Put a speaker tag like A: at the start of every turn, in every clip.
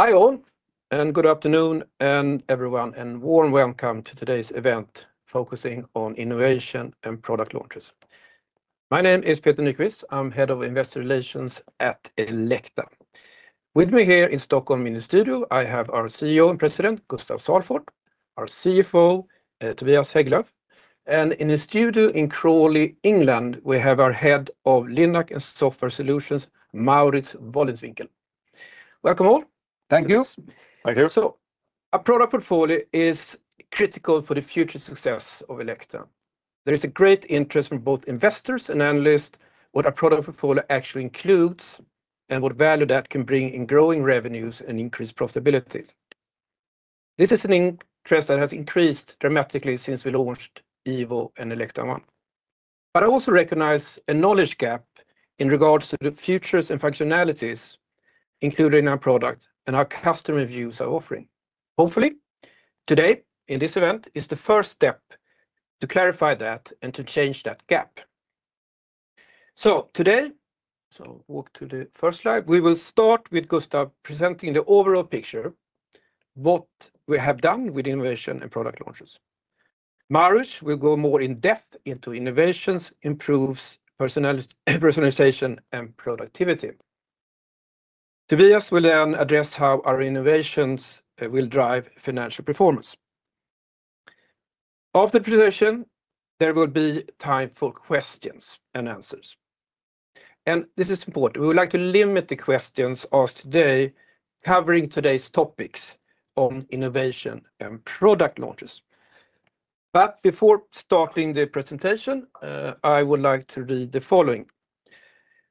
A: Hi all, and good afternoon everyone, and warm welcome to today's event focusing on innovation and product launches. My name is Peter Nyquist. I'm head of investor relations at Elekta. With me here in Stockholm in the studio, I have our CEO and President, Gustaf Salford, our CFO, Tobias Hägglöv, and in the studio in Crawley, England, we have our head of Linac and Software Solutions, Maurits Wolleswinkel. Welcome all.
B: Thank you.
A: Thank you. So our product portfolio is critical for the future success of Elekta. There is a great interest from both investors and analysts in what our product portfolio actually includes and what value that can bring in growing revenues and increased profitability. This is an interest that has increased dramatically since we launched Evo and Elekta ONE. But I also recognize a knowledge gap in regards to the features and functionalities, including our product and our customer views of offering. Hopefully, today in this event is the first step to clarify that and to change that gap. So today, so walk to the first slide, we will start with Gustaf presenting the overall picture, what we have done with innovation and product launches. Maurits will go more in depth into innovations improves personalization and productivity. Tobias will then address how our innovations will drive financial performance. After the presentation, there will be time for questions and answers, and this is important. We would like to limit the questions asked today covering today's topics on innovation and product launches, but before starting the presentation, I would like to read the following.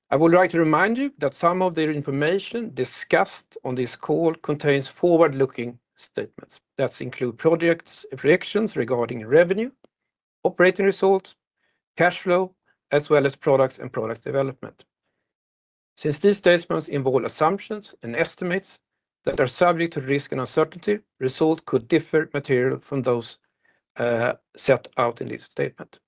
A: I would like to remind you that some of the information discussed on this call contains forward-looking statements that include projections regarding revenue, operating results, cash flow, as well as products and product development. Since these statements involve assumptions and estimates that are subject to risk and uncertainty, results could differ materially from those set out in this statement.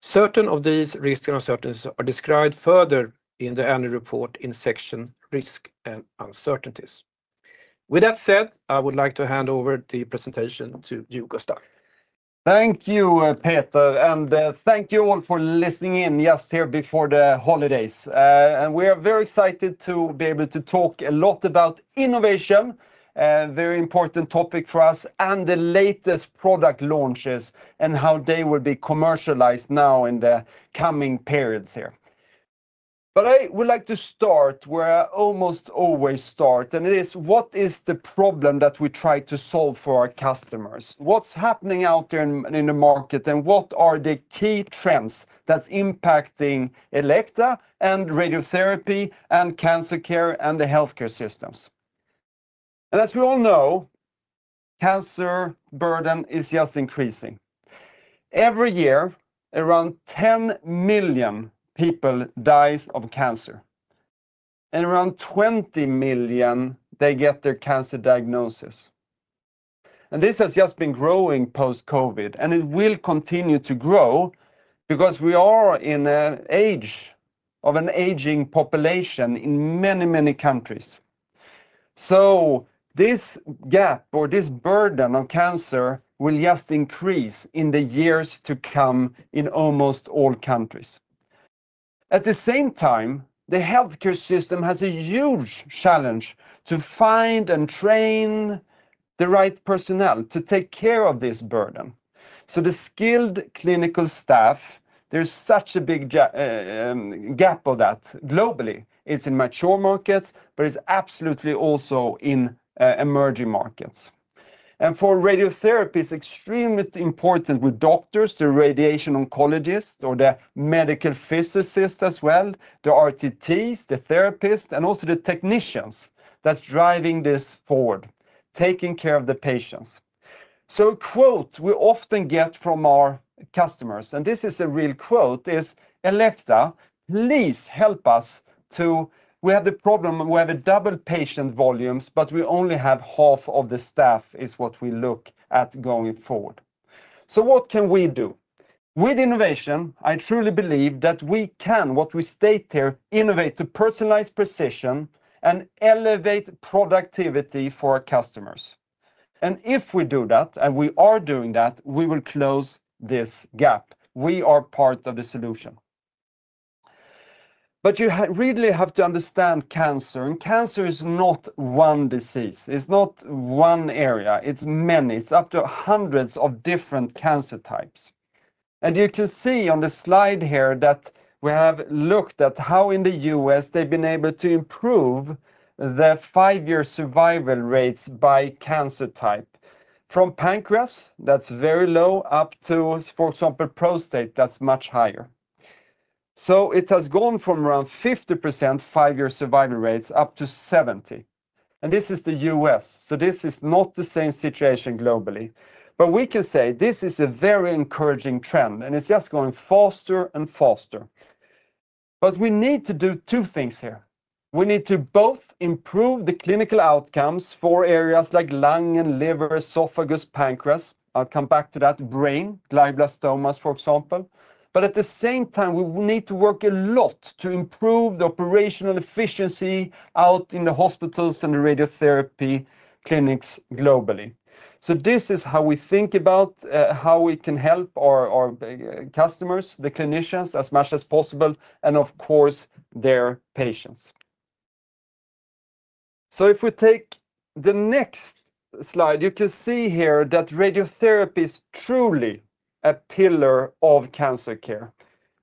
A: Certain of these risks and uncertainties are described further in the annual report in section Risks and Uncertainties. With that said, I would like to hand over the presentation to you, Gustaf.
B: Thank you, Peter, and thank you all for listening in just here before the holidays. And we are very excited to be able to talk a lot about innovation, a very important topic for us, and the latest product launches and how they will be commercialized now in the coming periods here. But I would like to start where I almost always start, and it is what is the problem that we try to solve for our customers? What's happening out there in the market, and what are the key trends that's impacting Elekta and radiotherapy and cancer care and the healthcare systems? And as we all know, cancer burden is just increasing. Every year, around 10 million people die of cancer, and around 20 million get their cancer diagnosis. And this has just been growing post-COVID, and it will continue to grow because we are in an age of an aging population in many, many countries. So this gap or this burden of cancer will just increase in the years to come in almost all countries. At the same time, the healthcare system has a huge challenge to find and train the right personnel to take care of this burden. So the skilled clinical staff, there's such a big gap of that globally. It's in mature markets, but it's absolutely also in emerging markets. And for radiotherapy, it's extremely important with doctors, the radiation oncologists, or the medical physicists as well, the RTTs, the therapists, and also the technicians that's driving this forward, taking care of the patients. A quote we often get from our customers, and this is a real quote, is, "Elekta, please help us to, we have the problem, we have a double patient volumes, but we only have half of the staff is what we look at going forward." What can we do? With innovation, I truly believe that we can, what we state here, innovate to personalize precision and elevate productivity for our customers. If we do that, and we are doing that, we will close this gap. We are part of the solution. You really have to understand cancer, and cancer is not one disease. It is not one area. It is many. It is up to hundreds of different cancer types. You can see on the slide here that we have looked at how in the U.S. they've been able to improve their five-year survival rates by cancer type. From pancreas, that's very low, up to, for example, prostate, that's much higher. So it has gone from around 50% five-year survival rates up to 70%. And this is the U.S. So this is not the same situation globally. But we can say this is a very encouraging trend, and it's just going faster and faster. But we need to do two things here. We need to both improve the clinical outcomes for areas like lung and liver, esophagus, pancreas. I'll come back to that: brain, glioblastomas, for example. But at the same time, we need to work a lot to improve the operational efficiency out in the hospitals and the radiotherapy clinics globally. So this is how we think about how we can help our customers, the clinicians, as much as possible, and of course, their patients. So if we take the next slide, you can see here that radiotherapy is truly a pillar of cancer care.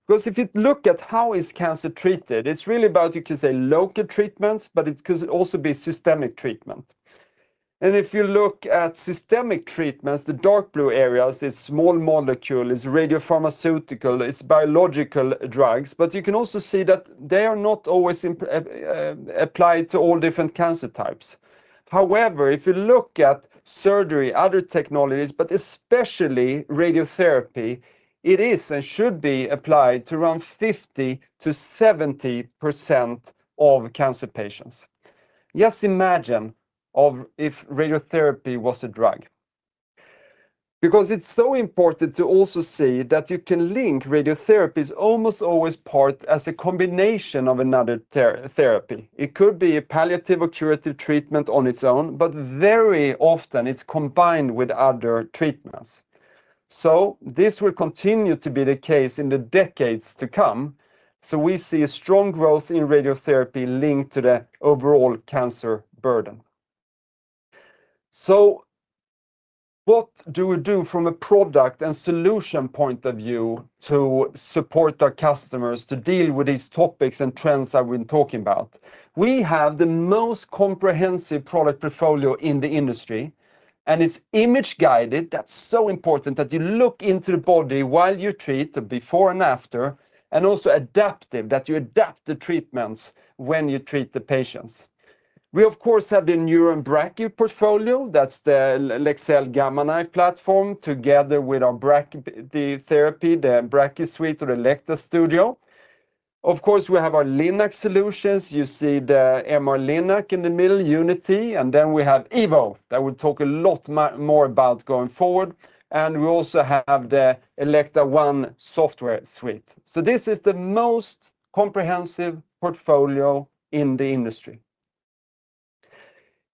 B: Because if you look at how is cancer treated, it's really about, you can say, local treatments, but it could also be systemic treatment. And if you look at systemic treatments, the dark blue areas, it's small molecule, it's radiopharmaceutical, it's biological drugs, but you can also see that they are not always applied to all different cancer types. However, if you look at surgery, other technologies, but especially radiotherapy, it is and should be applied to around 50%-70% of cancer patients. Just imagine if radiotherapy was a drug. Because it's so important to also see that you can link radiotherapy's almost always part as a combination of another therapy. It could be a palliative or curative treatment on its own, but very often it's combined with other treatments. So this will continue to be the case in the decades to come. So we see a strong growth in radiotherapy linked to the overall cancer burden. So what do we do from a product and solution point of view to support our customers to deal with these topics and trends I've been talking about? We have the most comprehensive product portfolio in the industry, and it's image-guided. That's so important that you look into the body while you treat the before and after, and also adaptive, that you adapt the treatments when you treat the patients. We, of course, have the Neuro and Brachy portfolio. That's the Leksell Gamma Knife platform together with our Brachy therapy, the Brachy suite or the Elekta Studio. Of course, we have our Linac solutions. You see the MR-Linac in the middle, Unity, and then we have Evo, that we'll talk a lot more about going forward. We also have the Elekta ONE software suite. This is the most comprehensive portfolio in the industry.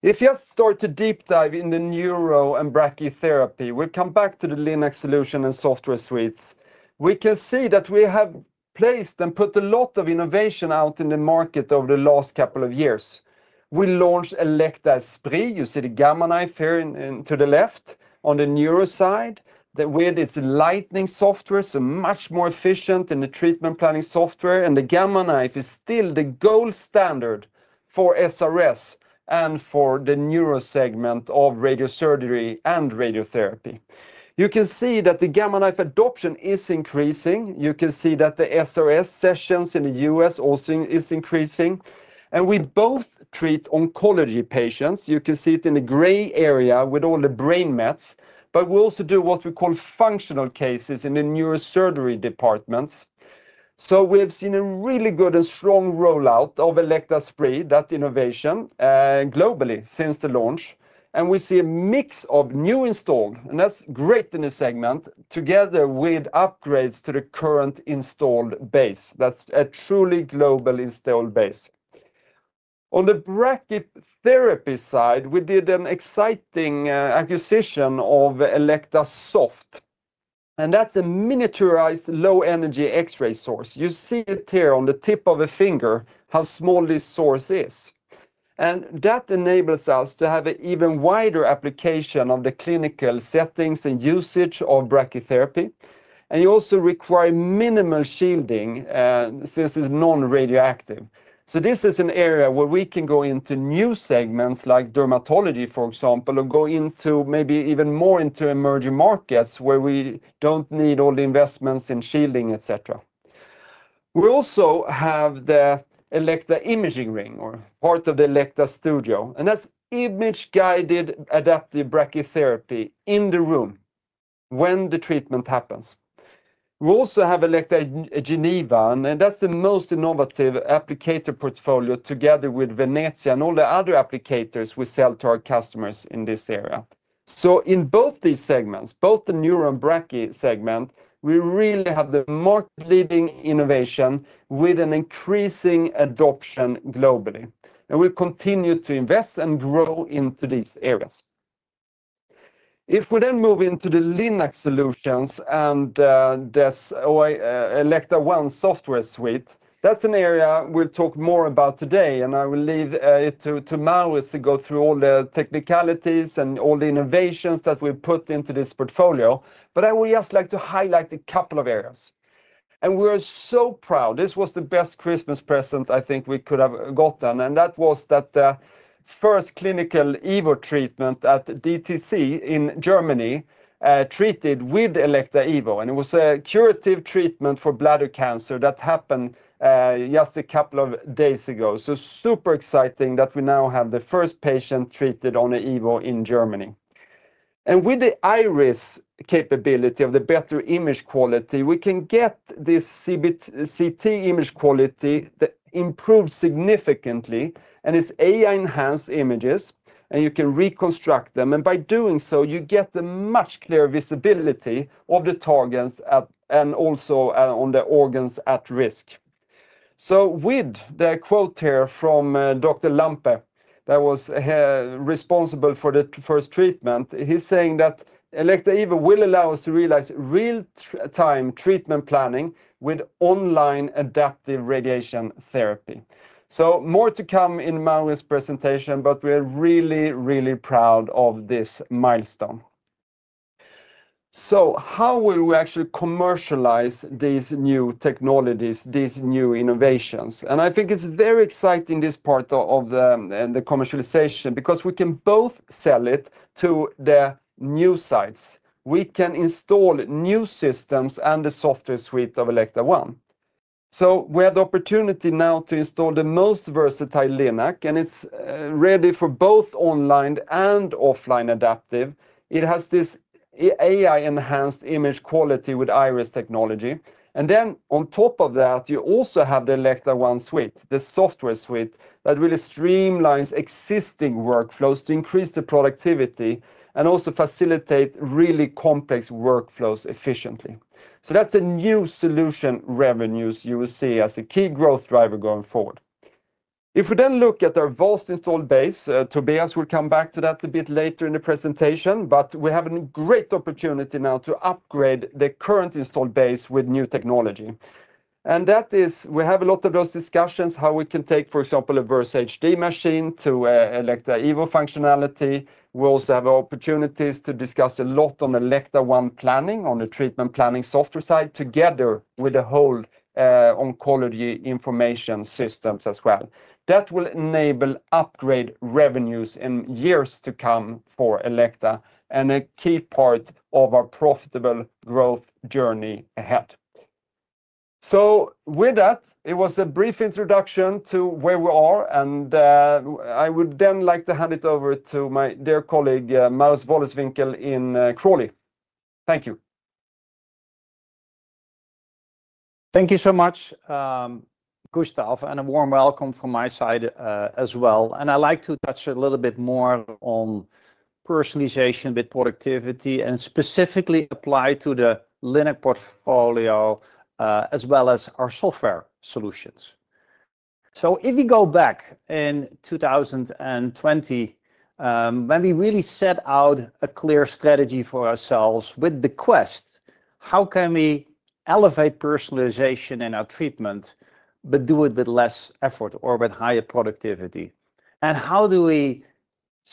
B: If you start to deep dive in the Neuro and brachytherapy, we'll come back to the Linac solution and software suites. We can see that we have placed and put a lot of innovation out in the market over the last couple of years. We launched Elekta Esprit. You see the Gamma Knife here to the left on the Neuro side. That way, it's Leksell software, so much more efficient than the treatment planning software. The Gamma Knife is still the gold standard for SRS and for the Neuro segment of radiosurgery and radiotherapy. You can see that the Gamma Knife adoption is increasing. You can see that the SRS sessions in the U.S. also is increasing, and we both treat oncology patients. You can see it in the gray area with all the brain mets, but we also do what we call functional cases in the neurosurgery departments. We have seen a really good and strong rollout of Elekta Esprit, that innovation globally since the launch. And we see a mix of new installed, and that's great in the segment, together with upgrades to the current installed base. That's a truly global installed base. On the brachytherapy side, we did an exciting acquisition of Xoft. And that's a miniaturized low-energy X-ray source. You see it here on the tip of a finger how small this source is. And that enables us to have an even wider application of the clinical settings and usage of brachytherapy. You also require minimal shielding since it's non-radioactive. This is an area where we can go into new segments like dermatology, for example, or go into maybe even more into emerging markets where we don't need all the investments in shielding, etc. We also have the Elekta Imaging Ring, or part of the Elekta Studio. That's image-guided adaptive brachytherapy in the room when the treatment happens. We also have Elekta Geneva, and that's the most innovative applicator portfolio together with Venezia and all the other applicators we sell to our customers in this area. In both these segments, both the Neuro and brachy segment, we really have the market-leading innovation with an increasing adoption globally. We'll continue to invest and grow into these areas. If we then move into the Linac solutions and this Elekta ONE software suite, that's an area we'll talk more about today, and I will leave it to Maurits to go through all the technicalities and all the innovations that we put into this portfolio, but I would just like to highlight a couple of areas, and we are so proud. This was the best Christmas present I think we could have gotten, and that was that the first clinical Evo treatment at DTZ in Germany treated with Elekta Evo. And it was a curative treatment for bladder cancer that happened just a couple of days ago, so super exciting that we now have the first patient treated on an Evo in Germany, and with the Iris capability of the better image quality, we can get this CT image quality improved significantly. It's AI-enhanced images, and you can reconstruct them. By doing so, you get a much clearer visibility of the targets and also on the organs at risk. With the quote here from Dr. Lampe, who was responsible for the first treatment, he's saying that Elekta Evo will allow us to realize real-time treatment planning with online adaptive radiation therapy. More to come in Maurits' presentation, but we're really, really proud of this milestone. How will we actually commercialize these new technologies, these new innovations? I think it's very exciting, this part of the commercialization, because we can both sell it to the new sites. We can install new systems and the software suite of Elekta ONE. We have the opportunity now to install the most versatile Linac, and it's ready for both online and offline adaptive. It has this AI-enhanced image quality with Iris technology. And then on top of that, you also have the Elekta ONE suite, the software suite that really streamlines existing workflows to increase the productivity and also facilitate really complex workflows efficiently. So that's a new solution revenues you will see as a key growth driver going forward. If we then look at our vast installed base, Tobias will come back to that a bit later in the presentation, but we have a great opportunity now to upgrade the current installed base with new technology. And that is, we have a lot of those discussions how we can take, for example, a Versa HD machine to an Elekta Evo functionality. We also have opportunities to discuss a lot on Elekta ONE Planning on the treatment planning software side together with the whole oncology information systems as well. That will enable upgrade revenues in years to come for Elekta and a key part of our profitable growth journey ahead. With that, it was a brief introduction to where we are. I would then like to hand it over to my dear colleague, Maurits Wolleswinkel in Crawley. Thank you.
C: Thank you so much, Gustaf, and a warm welcome from my side as well. I would like to touch a little bit more on personalization with productivity and specifically apply to the Linac portfolio as well as our software solutions. If we go back in 2020, when we really set out a clear strategy for ourselves with the question, how can we elevate personalization in our treatment, but do it with less effort or with higher productivity? And how do we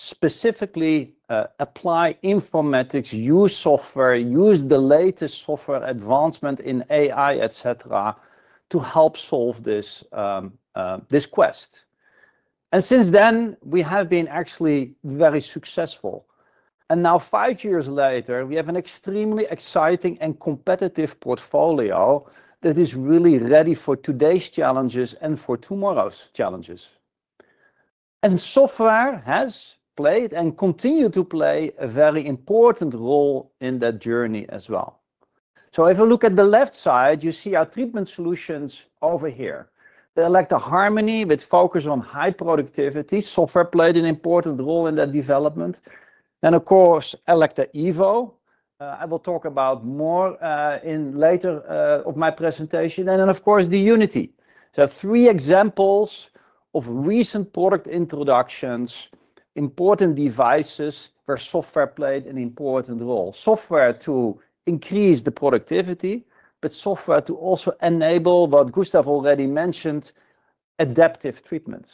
C: specifically apply informatics, use software, use the latest software advancement in AI, etc., to help solve this quest? And since then, we have been actually very successful. And now, five years later, we have an extremely exciting and competitive portfolio that is really ready for today's challenges and for tomorrow's challenges. And software has played and continues to play a very important role in that journey as well. So if you look at the left side, you see our treatment solutions over here. The Elekta Harmony with focus on high productivity, software played an important role in that development. And of course, Elekta Evo. I will talk about more in later of my presentation. And then, of course, the Unity. So three examples of recent product introductions, important devices where software played an important role. Software to increase the productivity, but software to also enable what Gustaf already mentioned, adaptive treatments.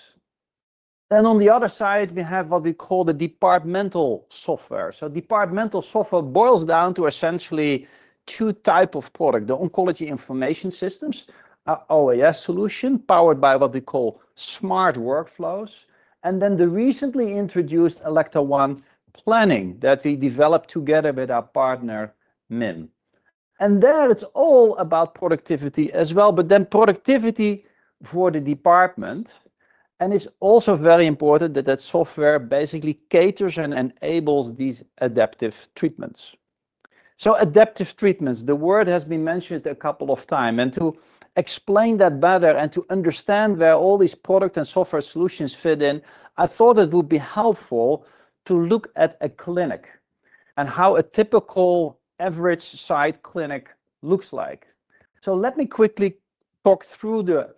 C: And on the other side, we have what we call the departmental software. So departmental software boils down to essentially two types of product. The oncology information systems, our MOSAIQ solution powered by what we call smart workflows. And then the recently introduced Elekta ONE Planning that we developed together with our partner, MIM. And there it's all about productivity as well, but then productivity for the department. And it's also very important that that software basically caters and enables these adaptive treatments. So adaptive treatments, the word has been mentioned a couple of times. And to explain that better and to understand where all these product and software solutions fit in, I thought it would be helpful to look at a clinic and how a typical average site clinic looks like. Let me quickly talk through the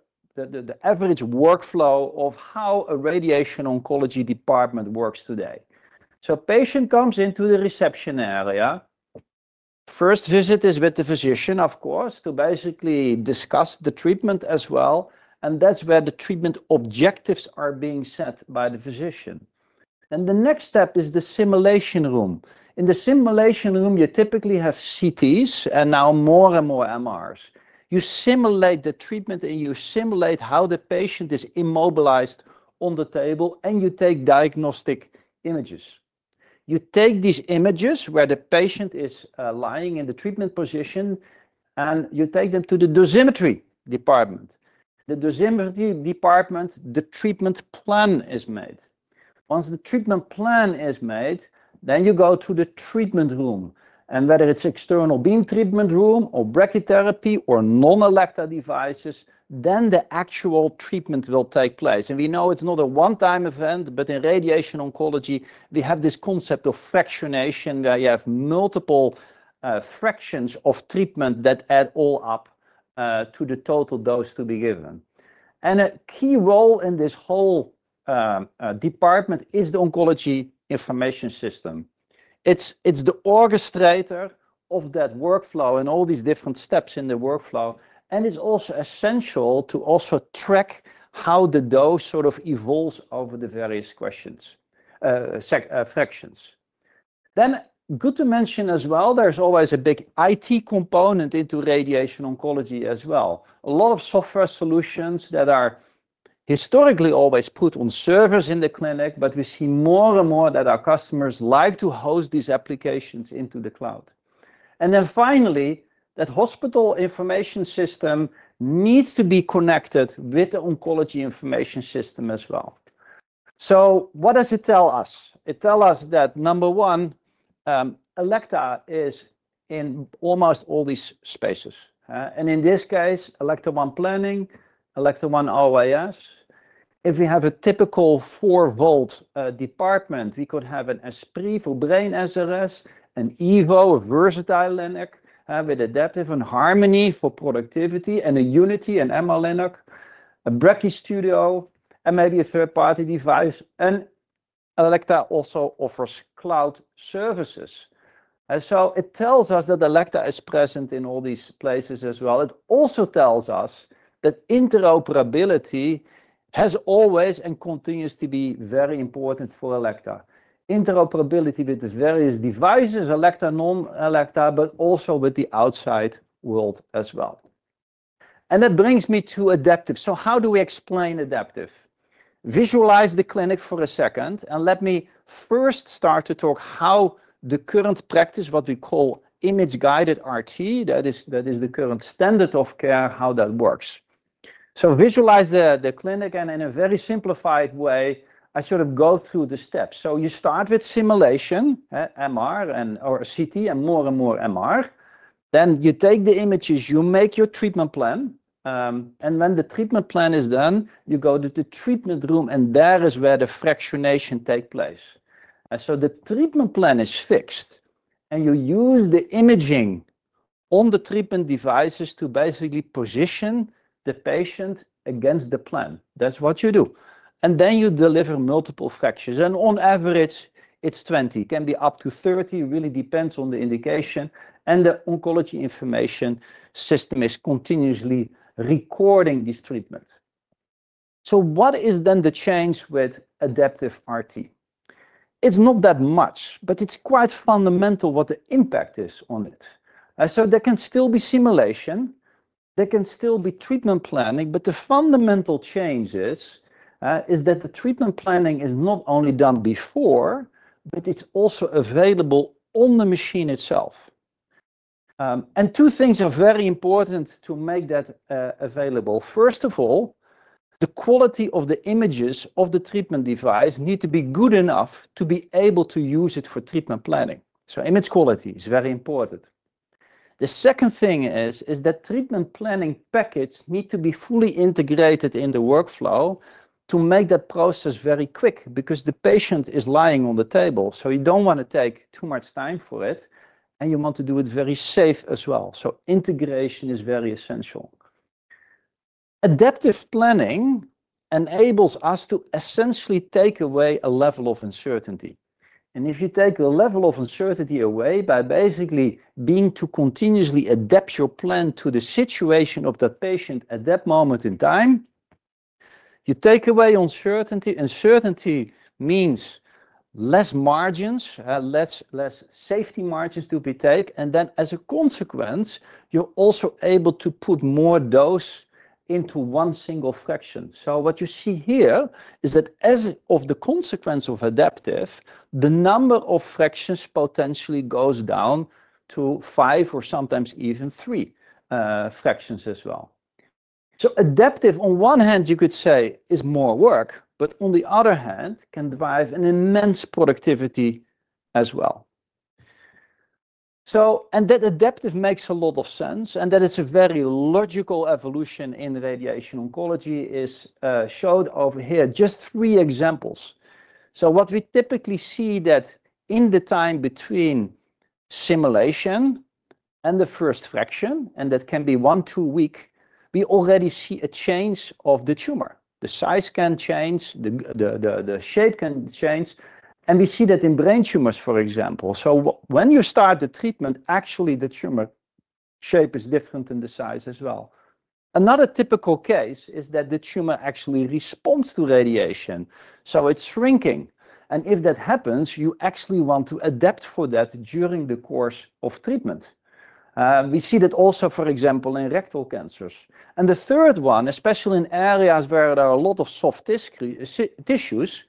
C: average workflow of how a radiation oncology department works today. A patient comes into the reception area. First visit is with the physician, of course, to basically discuss the treatment as well. That's where the treatment objectives are being set by the physician. The next step is the simulation room. In the simulation room, you typically have CTs and now more and more MRs. You simulate the treatment and you simulate how the patient is immobilized on the table, and you take diagnostic images. You take these images where the patient is lying in the treatment position, and you take them to the dosimetry department. The dosimetry department, the treatment plan is made. Once the treatment plan is made, then you go to the treatment room. Whether it's external beam treatment room or brachytherapy or non-Elekta devices, then the actual treatment will take place. We know it's not a one-time event, but in radiation oncology, we have this concept of fractionation where you have multiple fractions of treatment that add all up to the total dose to be given. A key role in this whole department is the oncology information system. It's the orchestrator of that workflow and all these different steps in the workflow. It's also essential to track how the dose sort of evolves over the various sessions, fractions. Good to mention as well, there's always a big IT component in radiation oncology as well. A lot of software solutions that are historically always put on servers in the clinic, but we see more and more that our customers like to host these applications in the cloud. And then finally, that hospital information system needs to be connected with the oncology information system as well. So what does it tell us? It tells us that number one, Elekta is in almost all these spaces. And in this case, Elekta ONE Planning, Elekta ONE MOSAIQ. If we have a typical four-vault department, we could have an Esprit for brain SRS, an Evo, a Versa HD Linac with adaptive and Harmony for productivity, and a Unity MR-Linac, a Brachy Studio, and maybe a third-party device. And Elekta also offers cloud services. And so it tells us that Elekta is present in all these places as well. It also tells us that interoperability has always and continues to be very important for Elekta. Interoperability with the various devices, Elekta, non-Elekta, but also with the outside world as well. And that brings me to adaptive. So how do we explain adaptive? Visualize the clinic for a second, and let me first start to talk how the current practice, what we call image-guided RT, that is the current standard of care, how that works. So visualize the clinic, and in a very simplified way, I sort of go through the steps. So you start with simulation, MR and or CT and more and more MR. Then you take the images, you make your treatment plan. And when the treatment plan is done, you go to the treatment room, and there is where the fractionation takes place. And so the treatment plan is fixed, and you use the imaging on the treatment devices to basically position the patient against the plan. That's what you do. And then you deliver multiple fractions. And on average, it's 20. It can be up to 30. It really depends on the indication, and the oncology information system is continuously recording these treatments, so what is then the change with adaptive RT? It's not that much, but it's quite fundamental what the impact is on it, so there can still be simulation. There can still be treatment planning, but the fundamental change is that the treatment planning is not only done before, but it's also available on the machine itself, and two things are very important to make that available. First of all, the quality of the images of the treatment device need to be good enough to be able to use it for treatment planning, so image quality is very important. The second thing is that treatment planning packages need to be fully integrated in the workflow to make that process very quick because the patient is lying on the table. So you don't want to take too much time for it, and you want to do it very safe as well. So integration is very essential. Adaptive planning enables us to essentially take away a level of uncertainty. And if you take a level of uncertainty away by basically being able to continuously adapt your plan to the situation of the patient at that moment in time, you take away uncertainty. Uncertainty means less margins, less safety margins to be taken. And then as a consequence, you're also able to put more dose into one single fraction. So what you see here is that as a consequence of adaptive, the number of fractions potentially goes down to five or sometimes even three fractions as well. So adaptive, on one hand, you could say is more work, but on the other hand, can drive an immense productivity as well. And that adaptive makes a lot of sense, and that it's a very logical evolution in radiation oncology is shown over here. Just three examples. So what we typically see that in the time between simulation and the first fraction, and that can be one, two weeks, we already see a change of the tumor. The size can change, the shape can change, and we see that in brain tumors, for example. So when you start the treatment, actually the tumor shape is different than the size as well. Another typical case is that the tumor actually responds to radiation, so it's shrinking. And if that happens, you actually want to adapt for that during the course of treatment. We see that also, for example, in rectal cancers. And the third one, especially in areas where there are a lot of soft tissues,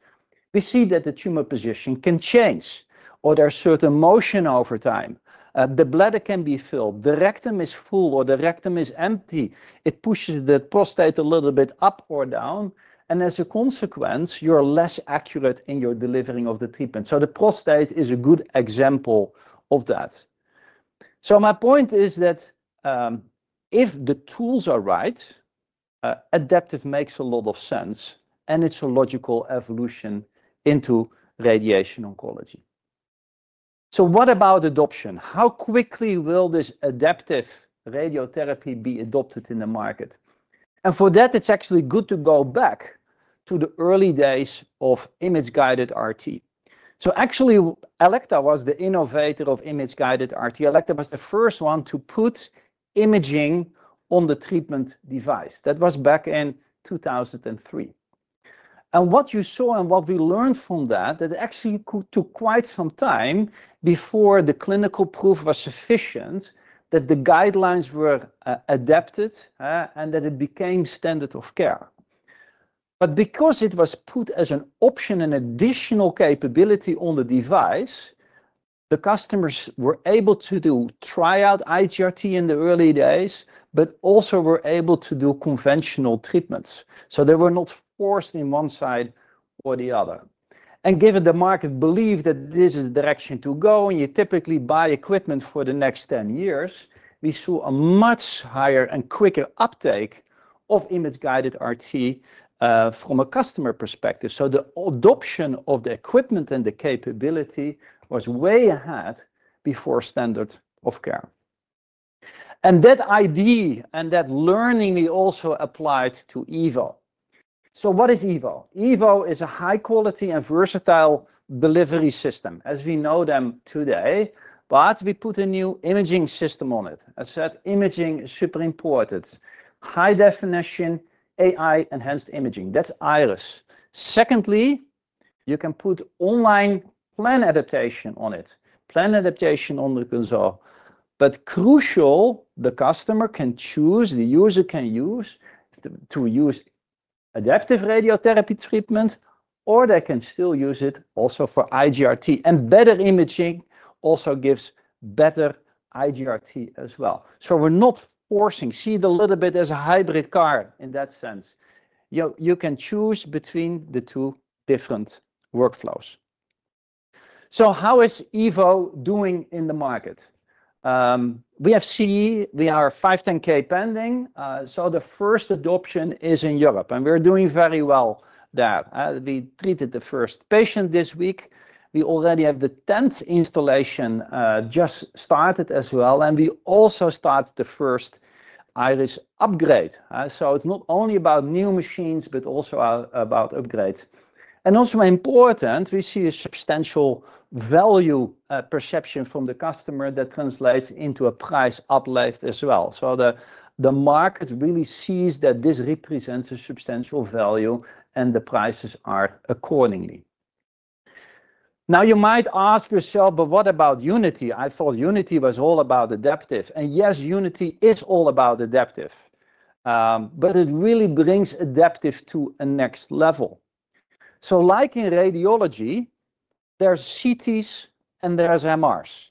C: we see that the tumor position can change or there's certain motion over time. The bladder can be filled. The rectum is full or the rectum is empty. It pushes the prostate a little bit up or down. And as a consequence, you're less accurate in your delivering of the treatment. So the prostate is a good example of that. So my point is that if the tools are right, adaptive makes a lot of sense, and it's a logical evolution into radiation oncology. So what about adoption? How quickly will this adaptive radiotherapy be adopted in the market? And for that, it's actually good to go back to the early days of image-guided RT. So actually, Elekta was the innovator of image-guided RT. Elekta was the first one to put imaging on the treatment device. That was back in 2003. And what you saw and what we learned from that, that actually took quite some time before the clinical proof was sufficient, that the guidelines were adapted and that it became standard of care. But because it was put as an option, an additional capability on the device, the customers were able to do tryout IGRT in the early days, but also were able to do conventional treatments. So they were not forced in one side or the other. And given the market believed that this is the direction to go and you typically buy equipment for the next 10 years, we saw a much higher and quicker uptake of image-guided RT from a customer perspective. So the adoption of the equipment and the capability was way ahead before standard of care. That idea and that learning we also applied to Evo. What is Evo? Evo is a high-quality and versatile delivery system, as we know them today, but we put a new imaging system on it. I said imaging is super important. High-definition AI-enhanced imaging. That's Iris. Secondly, you can put online plan adaptation on it. Plan adaptation on the console. But crucial, the customer can choose, the user can use adaptive radiotherapy treatment, or they can still use it also for IGRT. Better imaging also gives better IGRT as well. We're not forcing. See the little bit as a hybrid car in that sense. You can choose between the two different workflows. How is Evo doing in the market? We have CE. We are 510(k) pending. The first adoption is in Europe, and we're doing very well there. We treated the first patient this week. We already have the 10th installation just started as well. And we also started the first Iris upgrade. So it's not only about new machines, but also about upgrades. And also important, we see a substantial value perception from the customer that translates into a price uplift as well. So the market really sees that this represents a substantial value, and the prices are accordingly. Now, you might ask yourself, but what about Unity? I thought Unity was all about adaptive. And yes, Unity is all about adaptive, but it really brings adaptive to a next level. So like in radiology, there's CTs and there's MRs.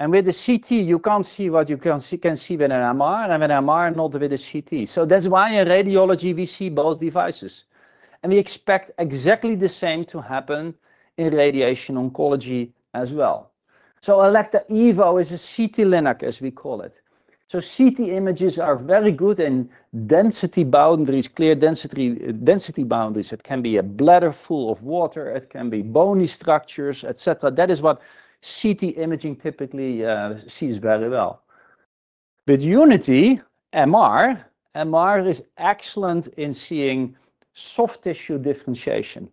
C: And with the CT, you can't see what you can see with an MR and with an MR, not with a CT. So that's why in radiology, we see both devices. We expect exactly the same to happen in radiation oncology as well. Elekta Evo is a CT Linac, as we call it. CT images are very good in density boundaries, clear density boundaries. It can be a bladder full of water. It can be bony structures, etc. That is what CT imaging typically sees very well. With Unity MR, MR is excellent in seeing soft tissue differentiation.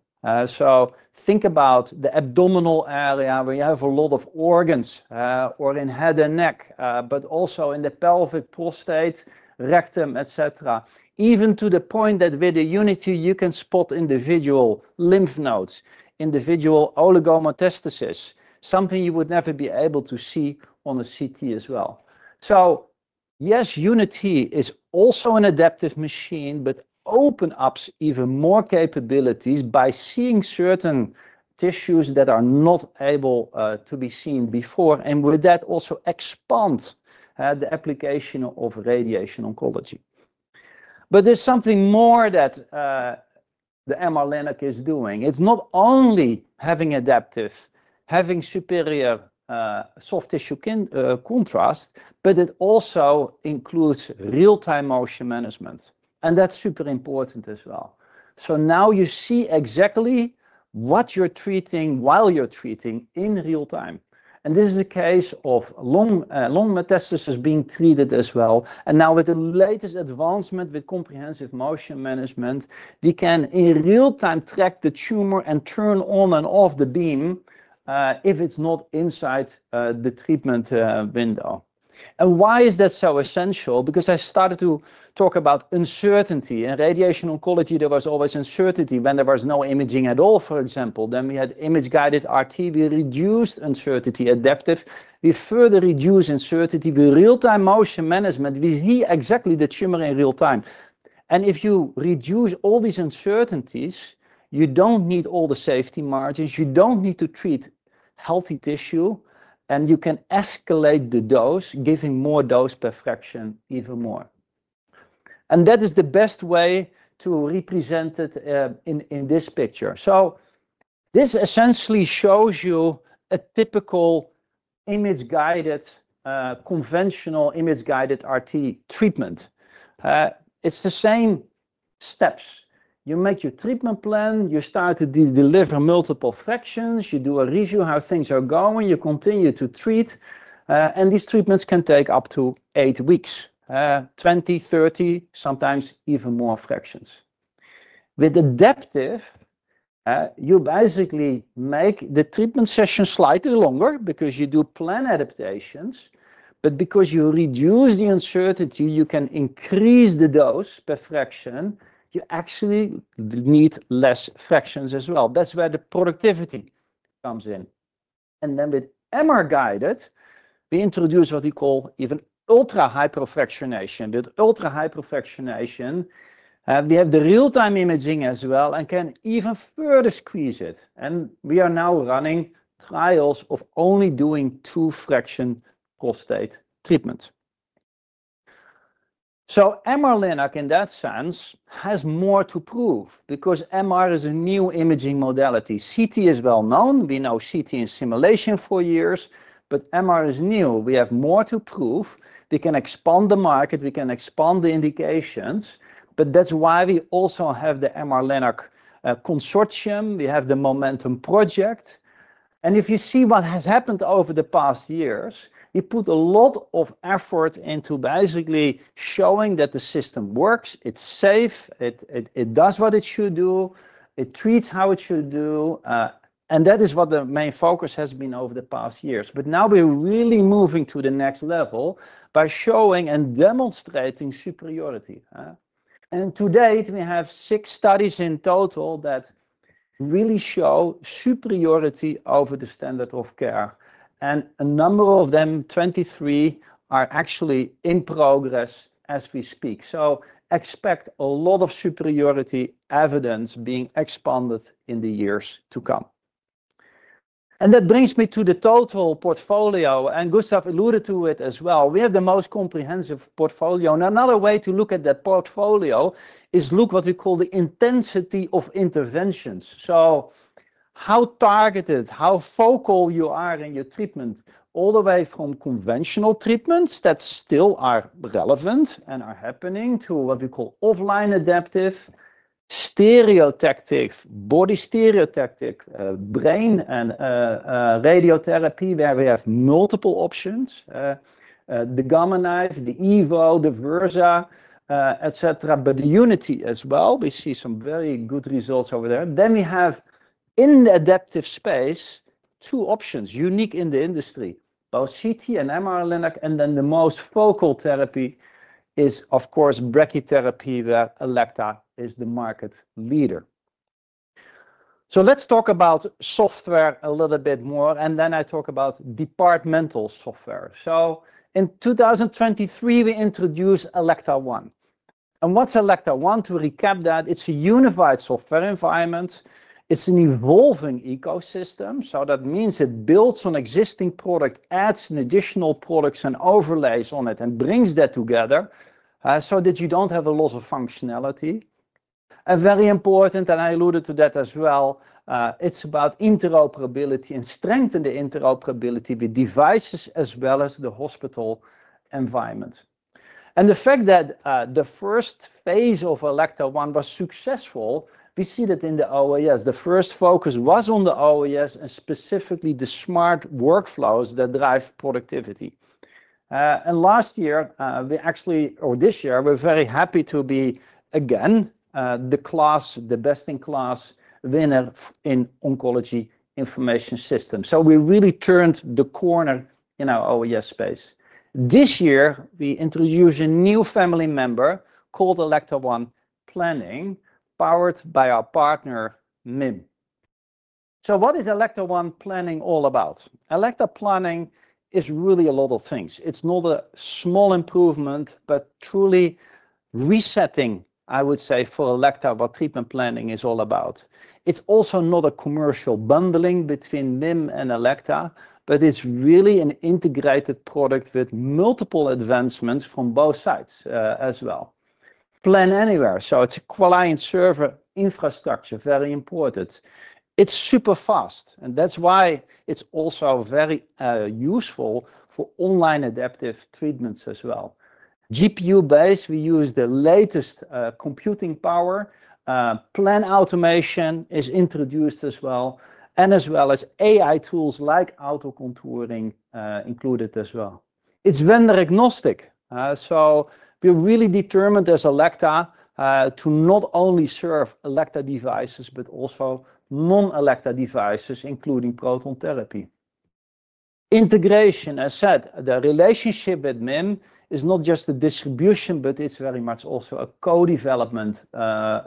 C: Think about the abdominal area where you have a lot of organs or in head and neck, but also in the pelvic, prostate, rectum, etc. Even to the point that with the Unity, you can spot individual lymph nodes, individual oligometastasis, something you would never be able to see on a CT as well. So yes, Unity is also an adaptive machine, but opens up even more capabilities by seeing certain tissues that are not able to be seen before. And with that, also expands the application of radiation oncology. But there's something more that the MR-Linac is doing. It's not only having adaptive, having superior soft tissue contrast, but it also includes real-time motion management. And that's super important as well. So now you see exactly what you're treating while you're treating in real-time. And this is the case of lung metastasis being treated as well. And now with the latest advancement with Comprehensive Motion Management, we can in real-time track the tumor and turn on and off the beam if it's not inside the treatment window. And why is that so essential? Because I started to talk about uncertainty in radiation oncology. There was always uncertainty when there was no imaging at all, for example. Then we had image-guided RT. We reduced uncertainty adaptive. We further reduce uncertainty with real-time motion management. We see exactly the tumor in real-time, and if you reduce all these uncertainties, you don't need all the safety margins. You don't need to treat healthy tissue, and you can escalate the dose, giving more dose per fraction even more, and that is the best way to represent it in this picture, so this essentially shows you a typical image-guided, conventional image-guided RT treatment. It's the same steps. You make your treatment plan. You start to deliver multiple fractions. You do a review of how things are going. You continue to treat, and these treatments can take up to eight weeks, 20, 30, sometimes even more fractions. With adaptive, you basically make the treatment session slightly longer because you do plan adaptations. But because you reduce the uncertainty, you can increase the dose per fraction. You actually need less fractions as well. That's where the productivity comes in. And then with MR-guided, we introduce what we call even ultra-hyperfractionation. With ultra-hyperfractionation, we have the real-time imaging as well and can even further squeeze it. And we are now running trials of only doing two fraction prostate treatments. So MR-Linac, in that sense, has more to prove because MR is a new imaging modality. CT is well known. We know CT in simulation for years, but MR is new. We have more to prove. We can expand the market. We can expand the indications. But that's why we also have the MR-Linac consortium. We have the Momentum project. And if you see what has happened over the past years, we put a lot of effort into basically showing that the system works. It's safe. It does what it should do. It treats how it should do. And that is what the main focus has been over the past years. But now we're really moving to the next level by showing and demonstrating superiority. And to date, we have six studies in total that really show superiority over the standard of care. And a number of them, 23, are actually in progress as we speak. So expect a lot of superiority evidence being expanded in the years to come. And that brings me to the total portfolio. And Gustaf alluded to it as well. We have the most comprehensive portfolio. And another way to look at that portfolio is look at what we call the intensity of interventions. So, how targeted, how focal you are in your treatment, all the way from conventional treatments that still are relevant and are happening to what we call offline adaptive, stereotactic body, stereotactic brain, and radiotherapy, where we have multiple options, the Gamma Knife, the Evo, the Versa, etc. But the Unity as well, we see some very good results over there. Then we have in the adaptive space two options unique in the industry, both CT and MR Linac. And then the most focal therapy is, of course, brachytherapy, where Elekta is the market leader. So let's talk about software a little bit more, and then I talk about departmental software. So in 2023, we introduced Elekta ONE. And what's Elekta ONE? To recap that, it's a unified software environment. It's an evolving ecosystem. So that means it builds on existing products, adds additional products and overlays on it, and brings that together so that you don't have a loss of functionality, and very important, and I alluded to that as well, it's about interoperability and strengthening the interoperability with devices as well as the hospital environment, and the fact that the first phase of Elekta ONE was successful, we see that in the MOSAIQ. The first focus was on the MOSAIQ and specifically the smart workflows that drive productivity, and last year, we actually, or this year, we're very happy to be again the class, the best in class winner in oncology information systems, so we really turned the corner in our MOSAIQ space. This year, we introduced a new family member called Elekta ONE Planning, powered by our partner, MIM, so what is Elekta ONE Planning all about? Elekta Planning is really a lot of things. It's not a small improvement, but truly resetting, I would say, for Elekta what treatment planning is all about. It's also not a commercial bundling between MIM and Elekta, but it's really an integrated product with multiple advancements from both sides as well. Plan Anywhere. So it's a client-server infrastructure, very important. It's super fast, and that's why it's also very useful for online adaptive treatments as well. GPU-based, we use the latest computing power. Plan automation is introduced as well, and as well as AI tools like auto-contouring included as well. It's vendor-agnostic. So we're really determined as Elekta to not only serve Elekta devices, but also non-Elekta devices, including proton therapy. Integration, as said, the relationship with MIM is not just a distribution, but it's very much also a co-development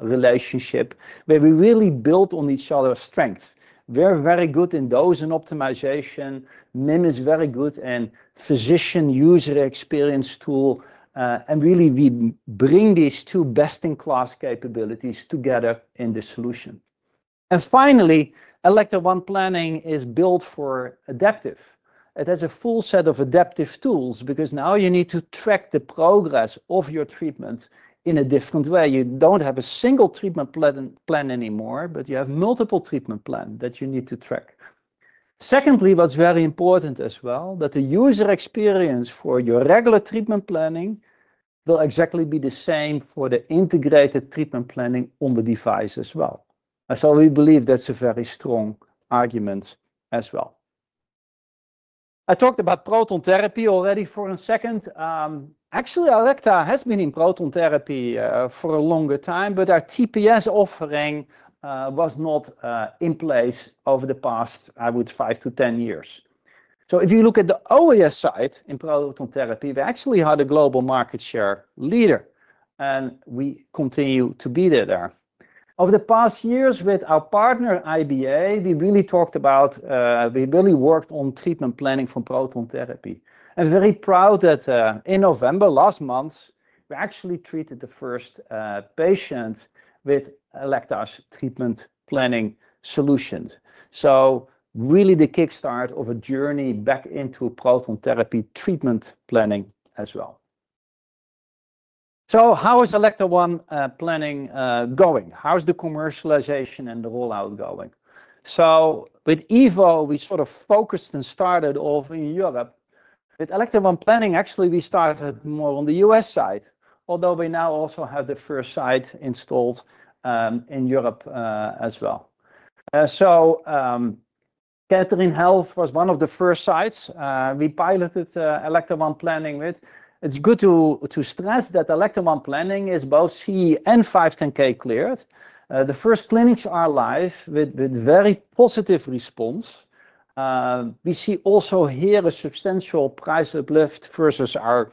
C: relationship where we really build on each other's strength. We're very good in dose and optimization. MIM is very good in physician user experience tool, and really, we bring these two best-in-class capabilities together in the solution, and finally, Elekta ONE Planning is built for adaptive. It has a full set of adaptive tools because now you need to track the progress of your treatment in a different way. You don't have a single treatment plan anymore, but you have multiple treatment plans that you need to track. Secondly, what's very important as well, that the user experience for your regular treatment planning will exactly be the same for the integrated treatment planning on the device as well. So we believe that's a very strong argument as well. I talked about proton therapy already for a second. Actually, Elekta has been in proton therapy for a longer time, but our TPS offering was not in place over the past, I would, five to 10 years. So if you look at the MOSAIQ side in proton therapy, we actually had a global market share leader, and we continue to be there. Over the past years with our partner, IBA, we really talked about, we really worked on treatment planning for proton therapy. And very proud that in November last month, we actually treated the first patient with Elekta's treatment planning solutions. So really the kickstart of a journey back into proton therapy treatment planning as well. So how is Elekta ONE Planning going? How's the commercialization and the rollout going? So with Evo, we sort of focused and started off in Europe. With Elekta ONE Planning, actually, we started more on the U.S. side, although we now also have the first site installed in Europe as well. So Kettering Health was one of the first sites we piloted Elekta ONE Planning with. It's good to stress that Elekta ONE Planning is both CE and 510(k) cleared. The first clinics are live with very positive response. We see also here a substantial price uplift versus our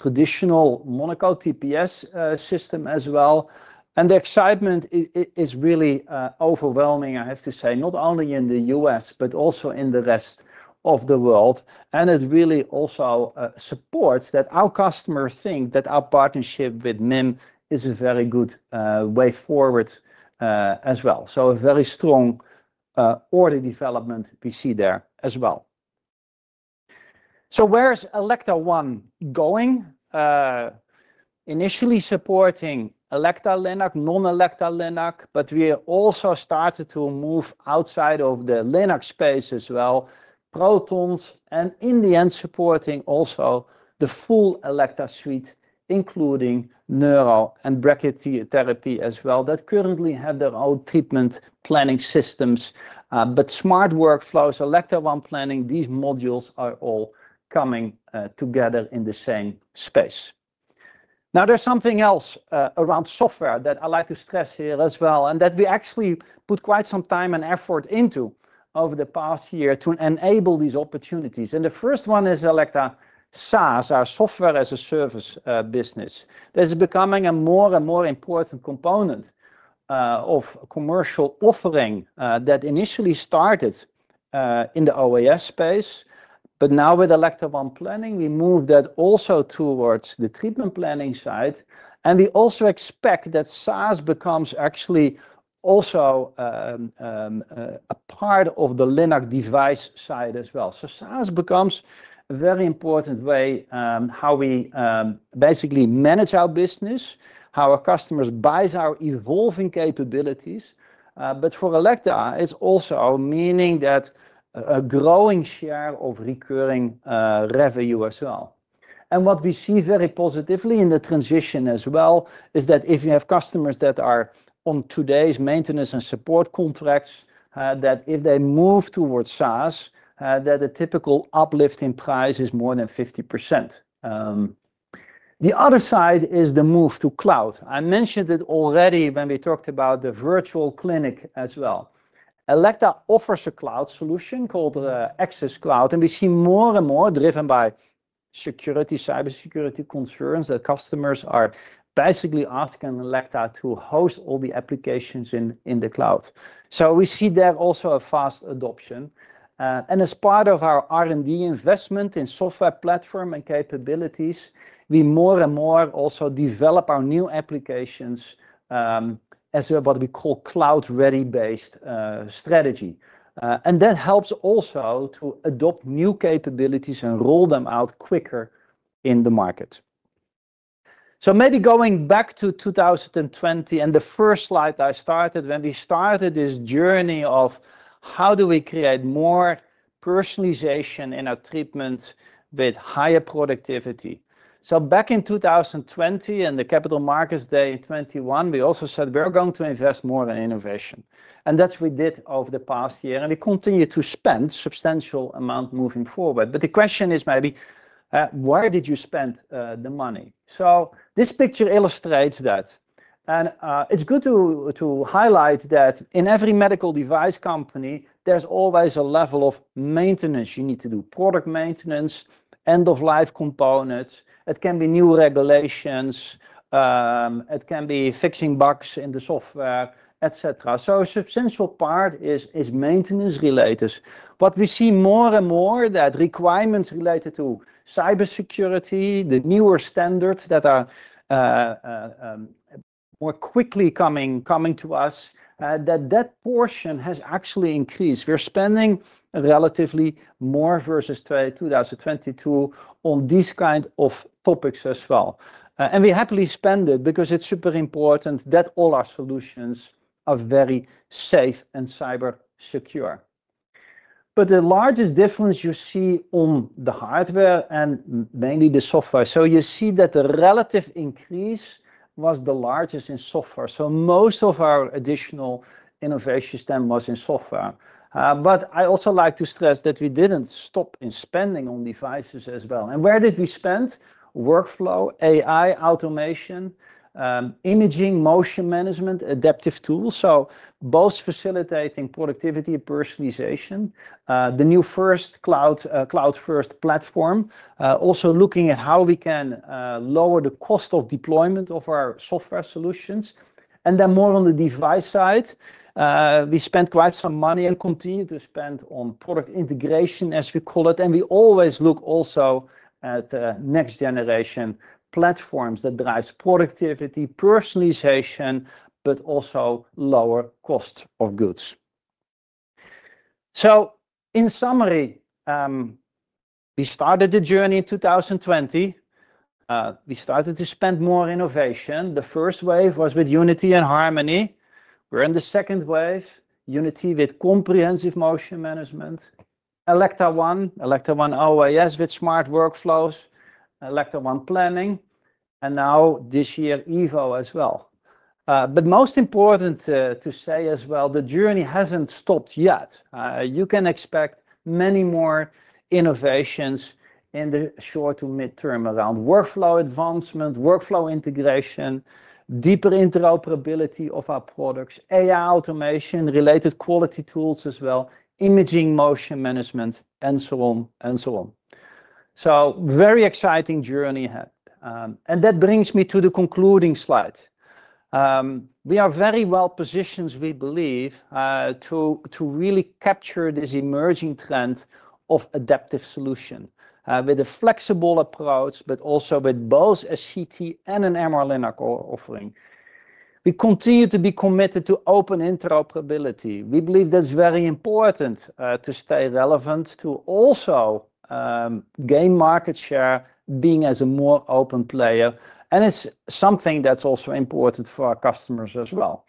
C: traditional Monaco TPS system as well. And the excitement is really overwhelming, I have to say, not only in the U.S., but also in the rest of the world. And it really also supports that our customers think that our partnership with MIM is a very good way forward as well. So a very strong order development we see there as well. So where is Elekta ONE going? Initially supporting Elekta Linac, non-Elekta Linac, but we also started to move outside of the Linac space as well, protons, and in the end, supporting also the full Elekta suite, including neuro and brachytherapy as well that currently have their own treatment planning systems. Smart Workflows, Elekta ONE Planning, these modules are all coming together in the same space. Now there's something else around software that I'd like to stress here as well, and that we actually put quite some time and effort into over the past year to enable these opportunities, and the first one is Elekta SaaS, our software as a service business. This is becoming a more and more important component of commercial offering that initially started in the MOSAIQ space, but now with Elekta ONE Planning, we moved that also towards the treatment planning side. And we also expect that SaaS becomes actually also a part of the Linac device side as well. So SaaS becomes a very important way how we basically manage our business, how our customers buy our evolving capabilities. But for Elekta, it's also meaning that a growing share of recurring revenue as well. And what we see very positively in the transition as well is that if you have customers that are on today's maintenance and support contracts, that if they move towards SaaS, that a typical uplift in price is more than 50%. The other side is the move to cloud. I mentioned it already when we talked about the virtual clinic as well. Elekta offers a cloud solution called Axis Cloud, and we see more and more driven by security, cybersecurity concerns that customers are basically asking Elekta to host all the applications in the cloud. So we see there also a fast adoption. And as part of our R&D investment in software platform and capabilities, we more and more also develop our new applications as what we call cloud-ready-based strategy. And that helps also to adopt new capabilities and roll them out quicker in the market. So maybe going back to 2020 and the first slide I started when we started this journey of how do we create more personalization in our treatments with higher productivity. So back in 2020 and the Capital Markets Day in 2021, we also said we're going to invest more in innovation. And that's what we did over the past year. And we continue to spend a substantial amount moving forward. But the question is, maybe, where did you spend the money? So this picture illustrates that. It's good to highlight that in every medical device company, there's always a level of maintenance. You need to do product maintenance, end-of-life components. It can be new regulations. It can be fixing bugs in the software, etc. A substantial part is maintenance-related. We see more and more that requirements related to cybersecurity, the newer standards that are more quickly coming to us, that that portion has actually increased. We're spending relatively more versus 2022 on these kinds of topics as well. We happily spend it because it's super important that all our solutions are very safe and cybersecure. The largest difference you see on the hardware and mainly the software. You see that the relative increase was the largest in software. Most of our additional innovation spend was in software. But I also like to stress that we didn't stop spending on devices as well. And where did we spend? Workflow, AI, automation, imaging, motion management, adaptive tools. So both facilitating productivity and personalization. The new first cloud-first platform, also looking at how we can lower the cost of deployment of our software solutions. And then more on the device side, we spent quite some money and continue to spend on product integration, as we call it. We always look also at the next generation platforms that drive productivity, personalization, but also lower costs of goods. So in summary, we started the journey in 2020. We started to spend more on innovation. The first wave was with Unity and Harmony. We're in the second wave, Unity with comprehensive motion management, Elekta ONE, Elekta One OIS with smart workflows, Elekta ONE Planning, and now this year, Evo as well. But most important to say as well, the journey hasn't stopped yet. You can expect many more innovations in the short to midterm around workflow advancement, workflow integration, deeper interoperability of our products, AI automation, related quality tools as well, imaging, motion management, and so on and so on. So very exciting journey. And that brings me to the concluding slide. We are very well positioned, we believe, to really capture this emerging trend of adaptive solution with a flexible approach, but also with both a CT and an MR Linac offering. We continue to be committed to open interoperability. We believe that's very important to stay relevant, to also gain market share, being as a more open player. And it's something that's also important for our customers as well.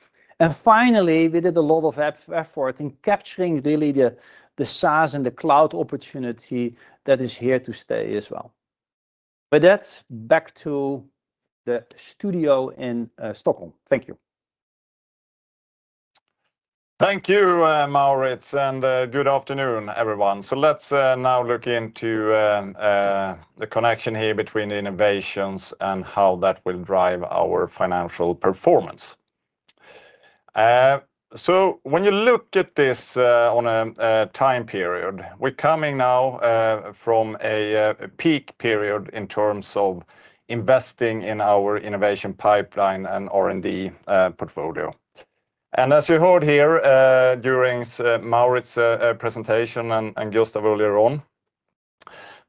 C: Finally, we did a lot of effort in capturing really the SaaS and the cloud opportunity that is here to stay as well. With that, back to the studio in Stockholm. Thank you.
D: Thank you, Maurits, and good afternoon, everyone. Let's now look into the connection here between the innovations and how that will drive our financial performance. When you look at this on a time period, we're coming now from a peak period in terms of investing in our innovation pipeline and R&D portfolio. As you heard here during Maurits' presentation and Gustaf earlier on,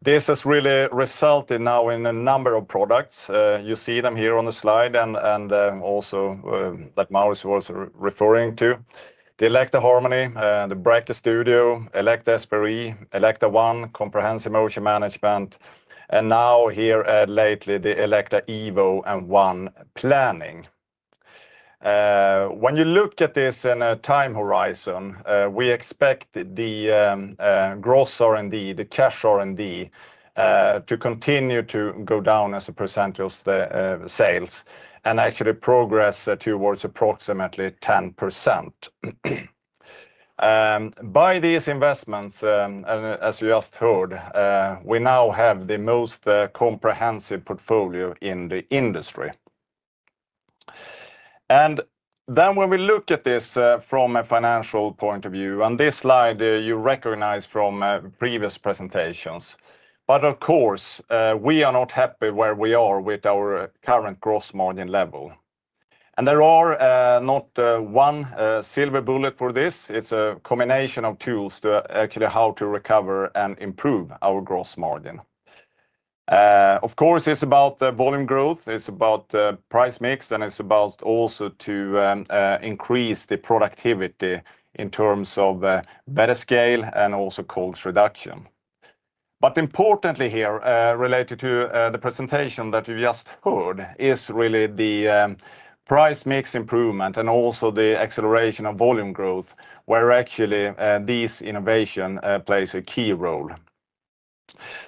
D: this has really resulted now in a number of products. You see them here on the slide and also that Maurits was referring to: the Elekta Harmony, the Elekta Studio, Elekta Esprit, Elekta ONE, comprehensive motion management, and now here lately, the Elekta Evo and One Planning. When you look at this in a time horizon, we expect the gross R&D, the cash R&D, to continue to go down as a percentage of the sales and actually progress towards approximately 10%. By these investments, as you just heard, we now have the most comprehensive portfolio in the industry, and then when we look at this from a financial point of view, on this slide, you recognize from previous presentations, but of course, we are not happy where we are with our current gross margin level, and there is not one silver bullet for this. It's a combination of tools to actually how to recover and improve our gross margin. Of course, it's about volume growth, it's about price mix, and it's about also to increase the productivity in terms of better scale and also cost reduction. But importantly here, related to the presentation that you just heard, is really the price mix improvement and also the acceleration of volume growth, where actually these innovations play a key role.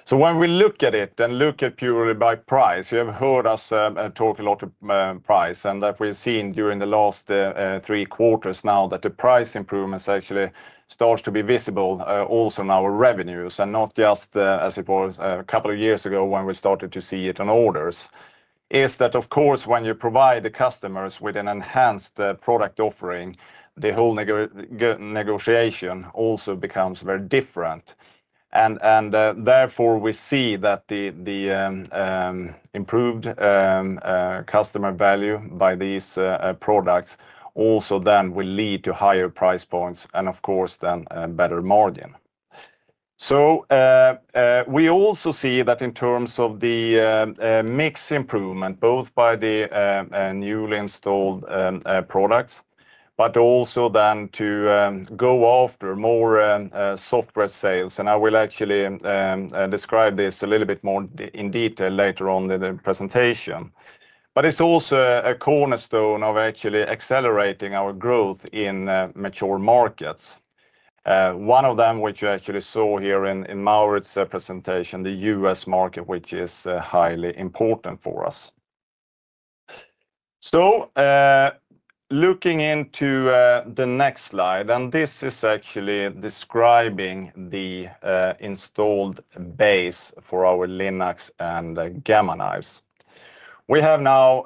D: So when we look at it and look at purely by price, you have heard us talk a lot of price and that we've seen during the last three quarters now that the price improvements actually start to be visible also in our revenues and not just, as it was a couple of years ago when we started to see it on orders, is that of course when you provide the customers with an enhanced product offering, the whole negotiation also becomes very different. And therefore we see that the improved customer value by these products also then will lead to higher price points and of course then better margin. So we also see that in terms of the mix improvement, both by the newly installed products, but also then to go after more software sales. And I will actually describe this a little bit more in detail later on in the presentation. But it's also a cornerstone of actually accelerating our growth in mature markets. One of them, which you actually saw here in Maurits' presentation, the US market, which is highly important for us. So looking into the next slide, and this is actually describing the installed base for our Linacs and Gamma Knives. We have now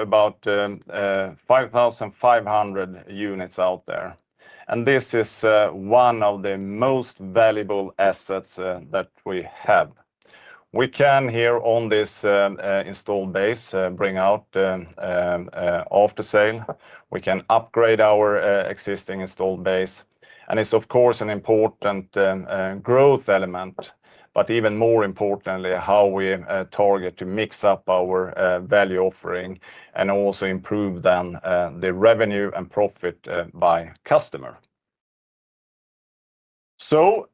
D: about 5,500 units out there. And this is one of the most valuable assets that we have. We can here on this installed base bring out after-sale. We can upgrade our existing installed base. And it's of course an important growth element, but even more importantly, how we target to mix up our value offering and also improve then the revenue and profit by customer. So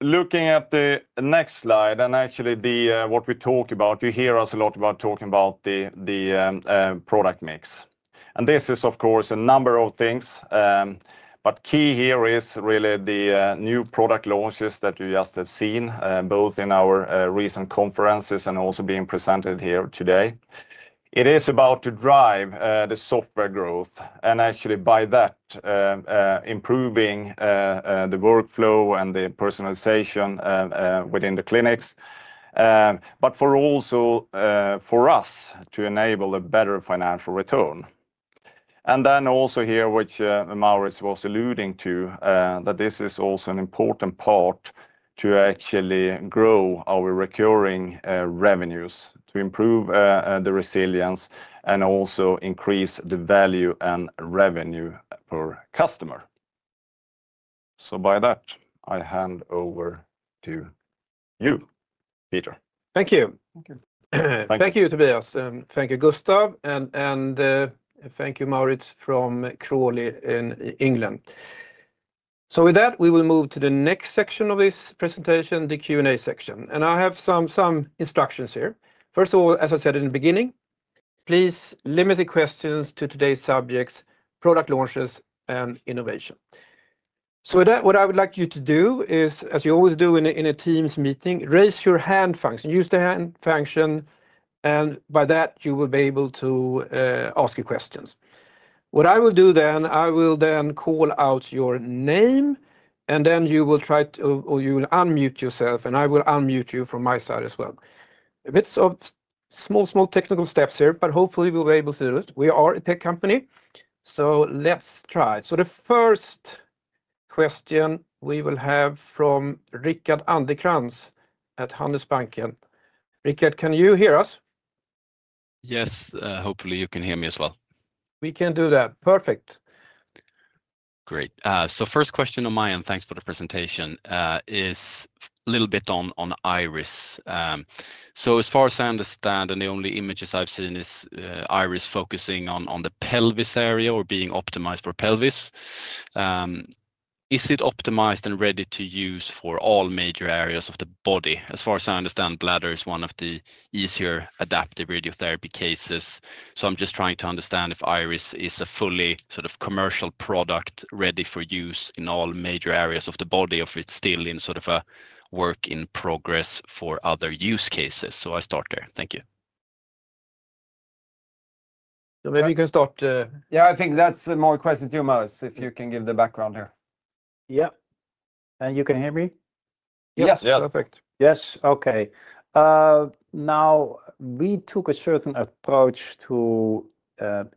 D: looking at the next slide and actually what we talk about, you hear us a lot about talking about the product mix. And this is of course a number of things. But key here is really the new product launches that you just have seen, both in our recent conferences and also being presented here today. It is about to drive the software growth and actually by that improving the workflow and the personalization within the clinics, but also for us to enable a better financial return. And then also here, which Maurits was alluding to, that this is also an important part to actually grow our recurring revenues to improve the resilience and also increase the value and revenue per customer. So by that, I hand over to you, Peter. Thank you.
A: Thank you, Tobias. Thank you, Gustaf, and thank you, Maurits from Crawley in England. So with that, we will move to the next section of this presentation, the Q&A section. And I have some instructions here. First of all, as I said in the beginning, please limit the questions to today's subjects, product launches, and innovation. So what I would like you to do is, as you always do in a Teams meeting, raise your hand function, use the hand function, and by that, you will be able to ask your questions. What I will do then, I will then call out your name, and then you will try to, or you will unmute yourself, and I will unmute you from my side as well. A bit of small, small technical steps here, but hopefully we'll be able to do it. We are a tech company, so let's try. So the first question we will have from Rickard Anderkrans at Handelsbanken. Rickard, can you hear us?
E: Yes, hopefully you can hear me as well.
B: We can do that. Perfect.
E: Great. So first question on my end, thanks for the presentation, is a little bit on Iris. So as far as I understand, and the only images I've seen is Iris focusing on the pelvis area or being optimized for pelvis. Is it optimized and ready to use for all major areas of the body?
D: As far as I understand, bladder is one of the easier adaptive radiotherapy cases. So I'm just trying to understand if Iris is a fully sort of commercial product ready for use in all major areas of the body, or if it's still in sort of a work in progress for other use cases. So I start there. Thank you.
B: So maybe you can start. Yeah, I think that's more question to you, Maurits, if you can give the background here.
C: Yeah. And you can hear me?
A: Yes.
B: Yes. Perfect. Yes.
C: Okay. Now, we took a certain approach to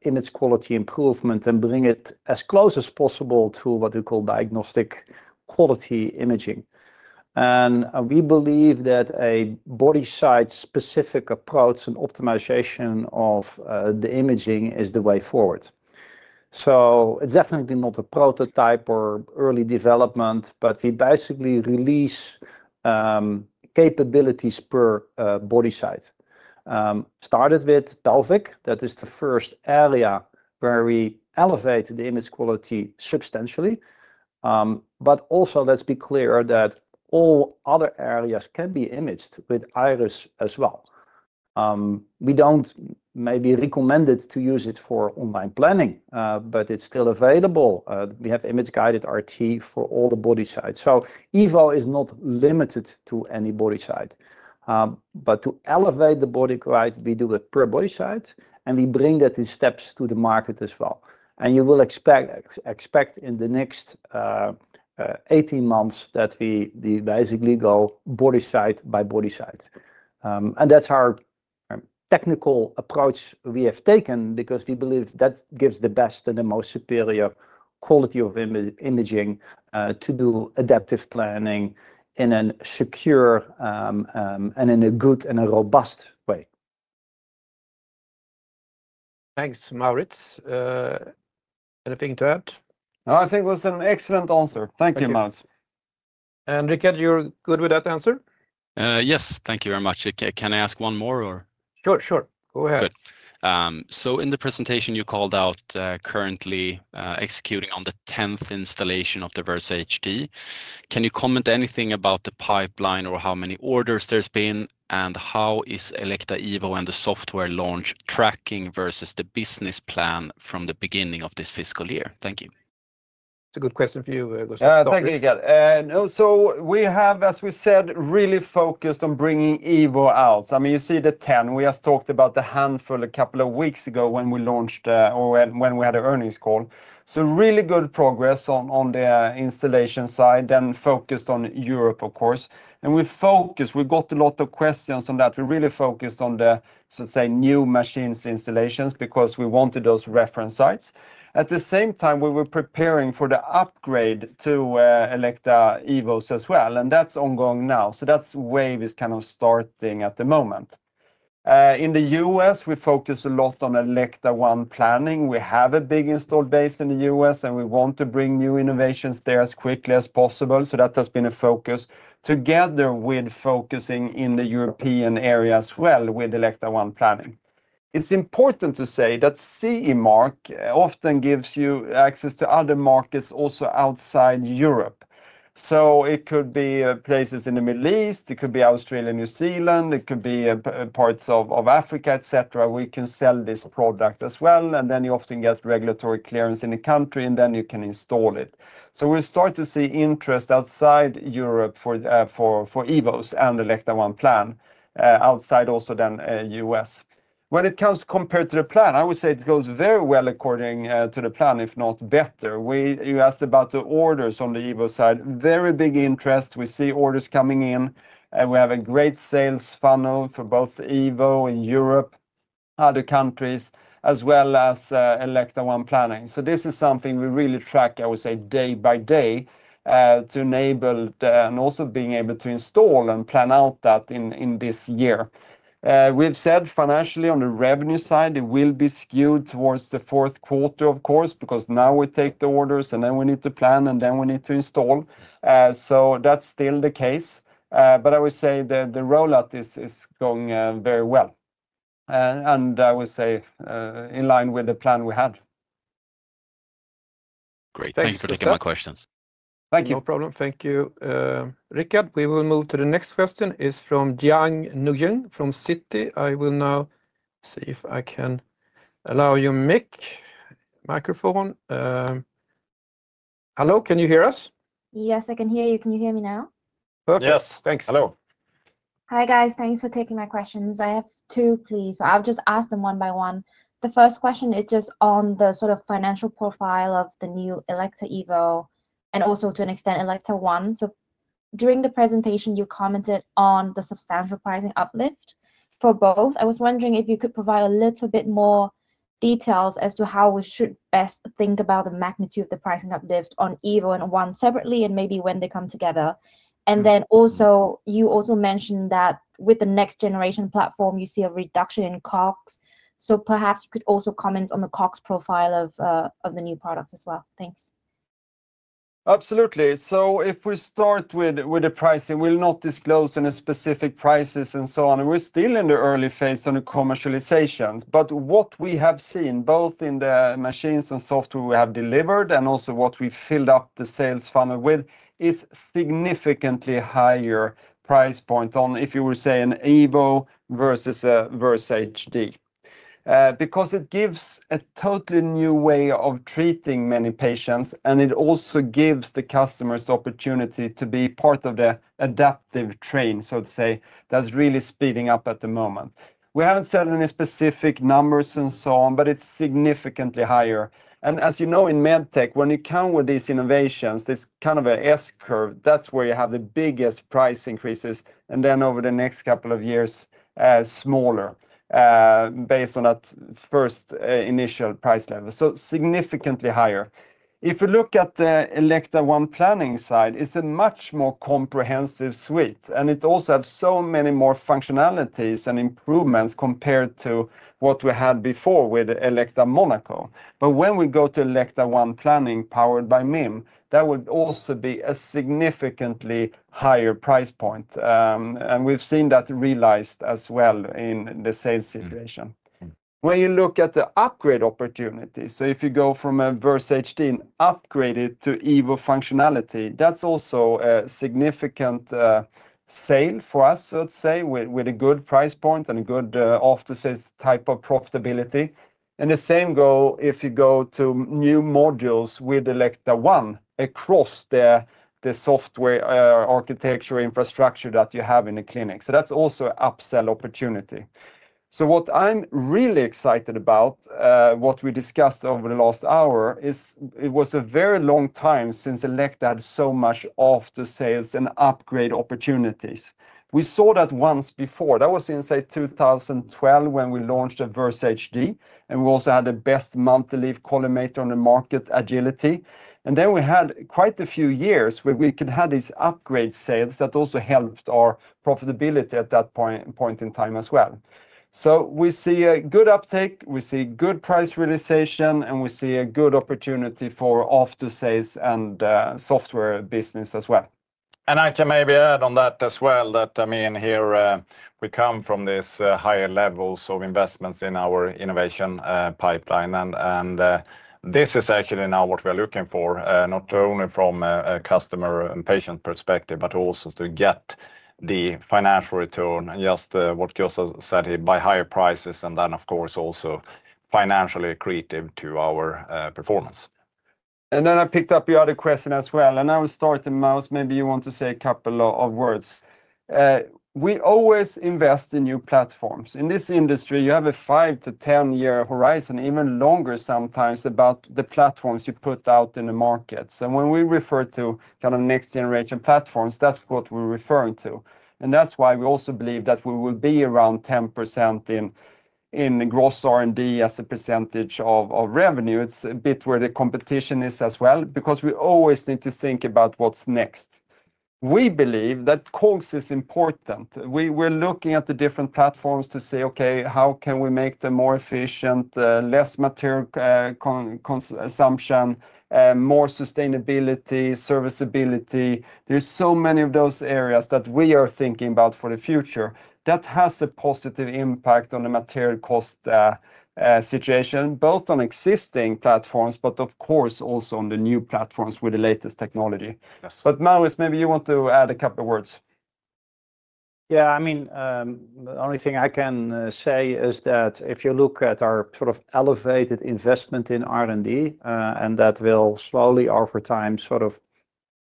C: image quality improvement and bring it as close as possible to what we call diagnostic quality imaging. And we believe that a body-site specific approach and optimization of the imaging is the way forward. So it's definitely not a prototype or early development, but we basically release capabilities per body site. Started with pelvic, that is the first area where we elevate the image quality substantially. But also, let's be clear that all other areas can be imaged with Iris as well. We don't maybe recommend it to use it for online planning, but it's still available. We have image-guided RT for all the body sites. So Evo is not limited to any body site. But to elevate the quality, we do it per body site, and we bring that in steps to the market as well. And you will expect in the next 18 months that we basically go body site by body site. And that's our technical approach we have taken because we believe that gives the best and the most superior quality of imaging to do adaptive planning in a secure and in a good and a robust way.
A: Thanks, Maurits. Anything to add?
B: No, I think it was an excellent answer. Thank you, Maurits.
A: And Rickard, you're good with that answer?
E: Yes, thank you very much. Can I ask one more or?
A: Sure, sure. Go ahead.
E: Good. So in the presentation, you called out currently executing on the 10th installation of the Versa HD. Can you comment anything about the pipeline or how many orders there's been and how is Elekta Evo and the software launch tracking versus the business plan from the beginning of this fiscal year? Thank you.
D: It's a good question for you, Gustaf.
B: Thank you, Rickard. So we have, as we said, really focused on bringing Evo out. I mean, you see the 10. We just talked about the handful a couple of weeks ago when we launched or when we had an earnings call. So really good progress on the installation side and focused on Europe, of course. We focused, we got a lot of questions on that. We really focused on the, so to say, new machines installations because we wanted those reference sites. At the same time, we were preparing for the upgrade to Elekta Evo as well. That's ongoing now. That's where we're kind of starting at the moment. In the U.S., we focus a lot on Elekta ONE Planning. We have a big installed base in the U.S. and we want to bring new innovations there as quickly as possible. That has been a focus together with focusing in the European area as well with Elekta ONE Planning. It's important to say that CE Mark often gives you access to other markets also outside Europe. It could be places in the Middle East, it could be Australia, New Zealand, it could be parts of Africa, etc. We can sell this product as well, and then you often get regulatory clearance in the country and then you can install it so we start to see interest outside Europe for Evo and Elekta ONE Plan outside also then U.S. When it comes, compared to the plan, I would say it goes very well according to the plan, if not better. You asked about the orders on the Evo side, very big interest. We see orders coming in. We have a great sales funnel for both Evo in Europe, other countries, as well as Elekta ONE Planning so this is something we really track, I would say, day by day to enable and also being able to install and roll out that in this year. We've said financially on the revenue side, it will be skewed towards the fourth quarter, of course, because now we take the orders and then we need to plan and then we need to install. So that's still the case. But I would say the rollout is going very well. And I would say in line with the plan we had.
E: Great. Thanks for taking my questions. Thank you.
A: No problem. Thank you, Rickard. We will move to the next question. It's from Niuding Jiang from Citi. I will now see if I can allow your microphone. Hello, can you hear us?
F: Yes, I can hear you. Can you hear me now?
B: Perfect.
D: Yes, thanks. Hello.
F: Hi guys, thanks for taking my questions. I have two please. So I'll just ask them one by one. The first question is just on the sort of financial profile of the new Elekta Evo and also to an extent Elekta ONE. So during the presentation, you commented on the substantial pricing uplift for both. I was wondering if you could provide a little bit more details as to how we should best think about the magnitude of the pricing uplift on Evo and One separately and maybe when they come together. And then also you also mentioned that with the next generation platform, you see a reduction in COGS. So perhaps you could also comment on the COGS profile of the new products as well. Thanks.
B: Absolutely. So if we start with the pricing, we'll not disclose any specific prices and so on. We're still in the early phase on the commercialization. But what we have seen both in the machines and software we have delivered and also what we filled up the sales funnel with is significantly higher price point on, if you were saying, Evo versus a Versa HD. Because it gives a totally new way of treating many patients and it also gives the customers the opportunity to be part of the adaptive train, so to say, that's really speeding up at the moment. We haven't said any specific numbers and so on, but it's significantly higher. And as you know, in med tech, when you come with these innovations, it's kind of an S curve. That's where you have the biggest price increases and then over the next couple of years, smaller, based on that first initial price level. So significantly higher. If you look at the Elekta ONE Planning side, it's a much more comprehensive suite. And it also has so many more functionalities and improvements compared to what we had before with Elekta Monaco. But when we go to Elekta ONE Planning powered by MIM, that would also be a significantly higher price point. And we've seen that realized as well in the sales situation. When you look at the upgrade opportunity, so if you go from a Versa HD and upgrade it to Evo functionality, that's also a significant sale for us, let's say, with a good price point and a good after-sales type of profitability. And the same goes if you go to new modules with Elekta ONE across the software architecture infrastructure that you have in the clinic. So that's also an upsell opportunity. So what I'm really excited about, what we discussed over the last hour, is that it was a very long time since Elekta had so much after-sales and upgrade opportunities. We saw that once before. That was in, say, 2012 when we launched a Versa HD. And we also had the best multi-leaf collimator on the market Agility. And then we had quite a few years where we could have these upgrade sales that also helped our profitability at that point in time as well. So we see a good uptake, we see good price realization, and we see a good opportunity for after-sales and software business as well.
D: And I can maybe add on that as well that, I mean, here we come from this higher levels of investments in our innovation pipeline. And this is actually now what we're looking for, not only from a customer and patient perspective, but also to get the financial return and just what Gustaf said here, by higher prices and then, of course, also financially creative to our performance.
B: And then I picked up your other question as well. And I will start, Maurits, maybe you want to say a couple of words. We always invest in new platforms. In this industry, you have a five to ten year horizon, even longer sometimes, about the platforms you put out in the markets. And when we refer to kind of next generation platforms, that's what we're referring to. And that's why we also believe that we will be around 10% in gross R&D as a percentage of revenue. It's a bit where the competition is as well, because we always need to think about what's next. We believe that COGS is important. We're looking at the different platforms to say, okay, how can we make them more efficient, less material consumption, more sustainability, serviceability? There's so many of those areas that we are thinking about for the future. That has a positive impact on the material cost situation, both on existing platforms, but of course also on the new platforms with the latest technology. But Maurits, maybe you want to add a couple of words.
C: Yeah, I mean, the only thing I can say is that if you look at our sort of elevated investment in R&D, and that will slowly over time sort of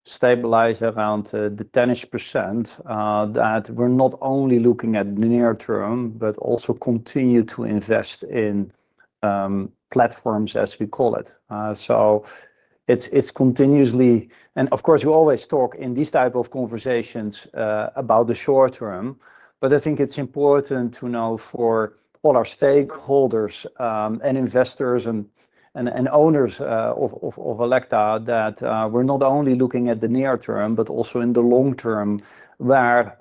C: stabilize around the 10%, that we're not only looking at the near term, but also continue to invest in platforms, as we call it. So it's continuously, and of course, we always talk in these types of conversations about the short term, but I think it's important to know for all our stakeholders and investors and owners of Elekta that we're not only looking at the near term, but also in the long term where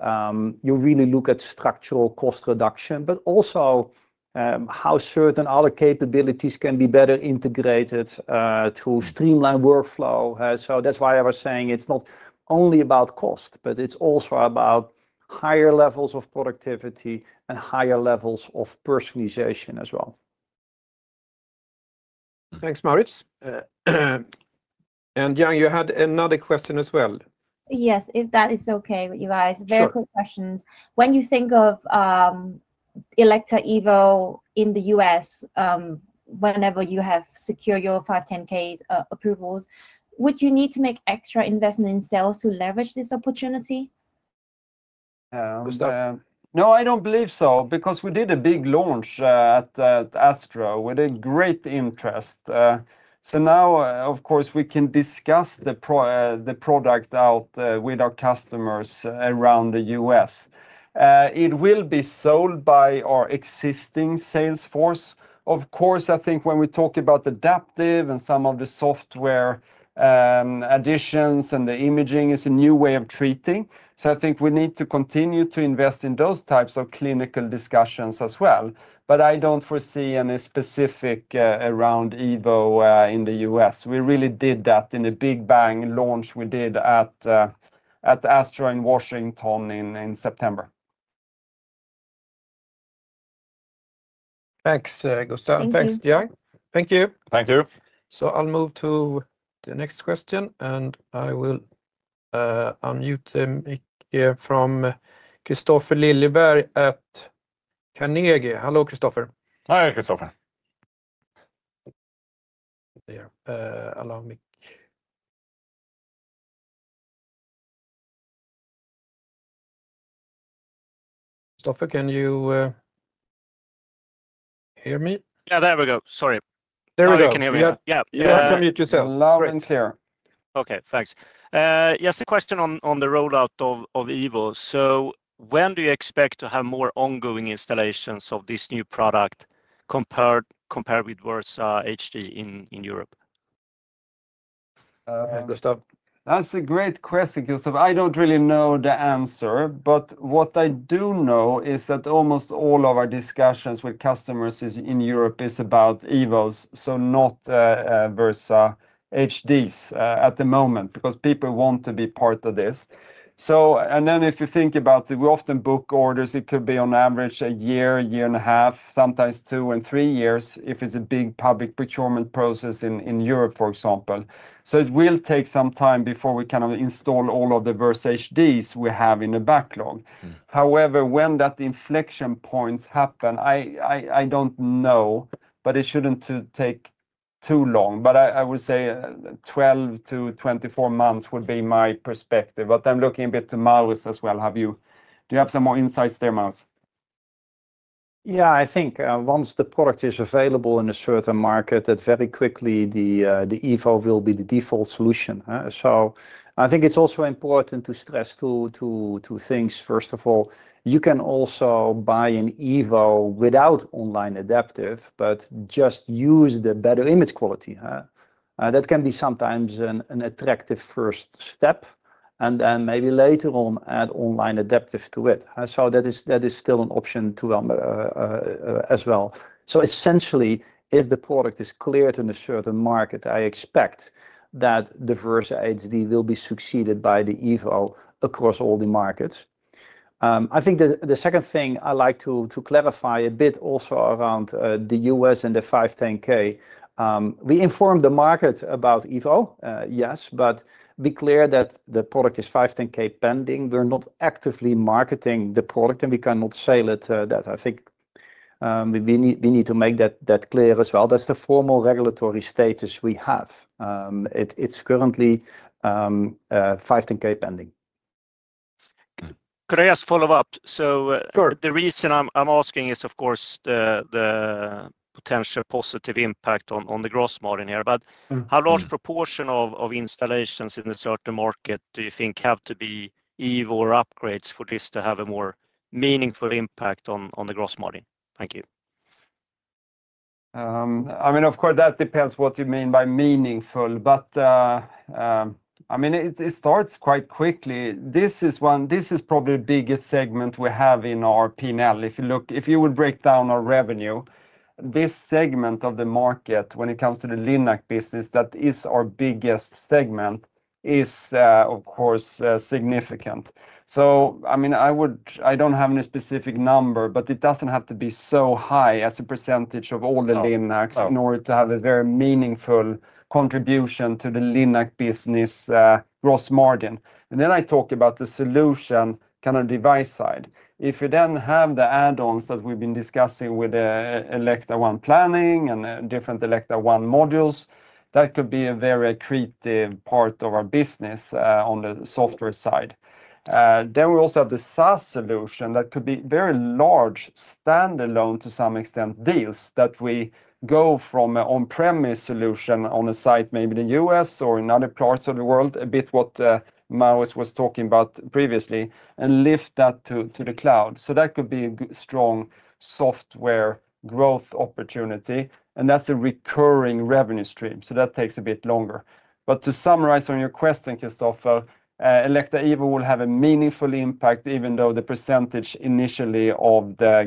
C: you really look at structural cost reduction, but also how certain other capabilities can be better integrated to streamline workflow. So that's why I was saying it's not only about cost, but it's also about higher levels of productivity and higher levels of personalization as well.
A: Thanks, Maurits. And Jiang, you had another question as well.
F: Yes, if that is okay with you guys. Very quick questions. When you think of Elekta Evo in the US, whenever you have secured your 510(k) approvals, would you need to make extra investment in sales to leverage this opportunity?
D: Gustaf?
B: No, I don't believe so, because we did a big launch at ASTRO with great interest. So now, of course, we can discuss the product out with our customers around the U.S. It will be sold by our existing sales force. Of course, I think when we talk about adaptive and some of the software additions and the imaging is a new way of treating. So I think we need to continue to invest in those types of clinical discussions as well. But I don't foresee any specific around Evo in the U.S. We really did that in a big bang launch we did at ASTRO in Washington in September.
A: Thanks, Gustaf. Thanks, Jiang. Thank you.
B: Thank you.
A: So I'll move to the next question, and I will unmute the mic from Kristofer Liljeberg at Carnegie. Hello, Kristofer.
D: Hi, Kristofer.
A: Allow me. Kristofer, can you hear me?
G: Yeah, there we go. Sorry. There we go.
A: I can hear you. Yeah, yeah.
B: You have to unmute yourself.
A: Loud and clear.
G: Okay, thanks. Yes, a question on the rollout of Evo. So when do you expect to have more ongoing installations of this new product compared with Versa HD in Europe?
A: Gustaf?
B: That's a great question, Gustaf. I don't really know the answer, but what I do know is that almost all of our discussions with customers in Europe is about Evos, so not Versa HDs at the moment, because people want to be part of this. And then if you think about it, we often book orders. It could be on average a year, a year and a half, sometimes two and three years if it's a big public procurement process in Europe, for example. It will take some time before we kind of install all of the Versa HDs we have in the backlog. However, when that inflection points happen, I don't know, but it shouldn't take too long. But I would say 12 to 24 months would be my perspective. But I'm looking a bit to Maurits as well. Do you have some more insights there, Maurits?
C: Yeah, I think once the product is available in a certain market, that very quickly the Evo will be the default solution. So I think it's also important to stress two things. First of all, you can also buy an Evo without online adaptive, but just use the better image quality. That can be sometimes an attractive first step. And then maybe later on add online adaptive to it. So that is still an option as well. So essentially, if the product is cleared in a certain market, I expect that the Versa HD will be succeeded by the Evo across all the markets. I think the second thing I like to clarify a bit also around the US and the 510(k), we inform the market about Evo, yes, but be clear that the product is 510(k) pending. We're not actively marketing the product and we cannot sell it. I think we need to make that clear as well. That's the formal regulatory status we have. It's currently 510(k) pending.
G: Could I ask follow-up? So the reason I'm asking is, of course, the potential positive impact on the gross margin here. But how large proportion of installations in a certain market do you think have to be Evo or upgrades for this to have a more meaningful impact on the gross margin? Thank you.
B: I mean, of course, that depends what you mean by meaningful. But I mean, it starts quite quickly. This is probably the biggest segment we have in our P&L. If you look, if you would break down our revenue, this segment of the market when it comes to the Linac business, that is our biggest segment, is of course significant. So I mean, I don't have any specific number, but it doesn't have to be so high as a percentage of all the Linacs in order to have a very meaningful contribution to the Linac business gross margin. And then I talk about the solution kind of device side. If you then have the add-ons that we've been discussing with Elekta ONE Planning and different Elekta ONE modules, that could be a very creative part of our business on the software side. Then we also have the SaaS solution that could be very large standalone to some extent deals that we go from an on-premise solution on a site maybe in the U.S. or in other parts of the world, a bit what Maurits was talking about previously, and lift that to the cloud. So that could be a strong software growth opportunity. And that's a recurring revenue stream. So that takes a bit longer. But to summarize on your question, Kristofer, Elekta Evo will have a meaningful impact even though the percentage initially of the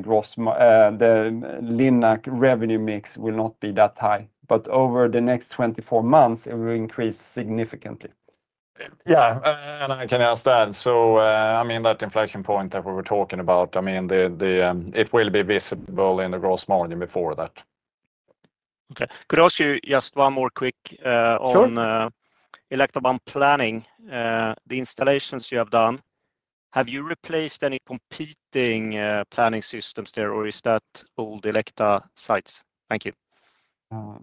B: Linac revenue mix will not be that high. But over the next 24 months, it will increase significantly.
D: Yeah, and I can ask that. So I mean, that inflection point that we were talking about, I mean, it will be visible in the gross margin before that. Okay.
G: Could I ask you just one more quick on Elekta ONE Planning? The installations you have done, have you replaced any competing planning systems there or is that all the Elekta sites? Thank you.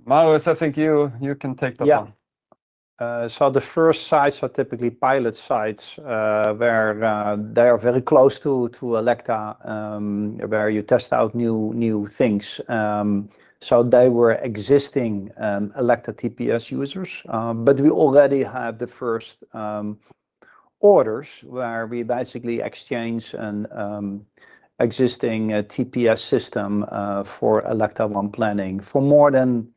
B: Maurits, I think you can take that one.
C: So the first sites are typically pilot sites where they are very close to Elekta, where you test out new things. So they were existing Elekta TPS users. But we already have the first orders where we basically exchange an existing TPS system for Elekta ONE Planning for more than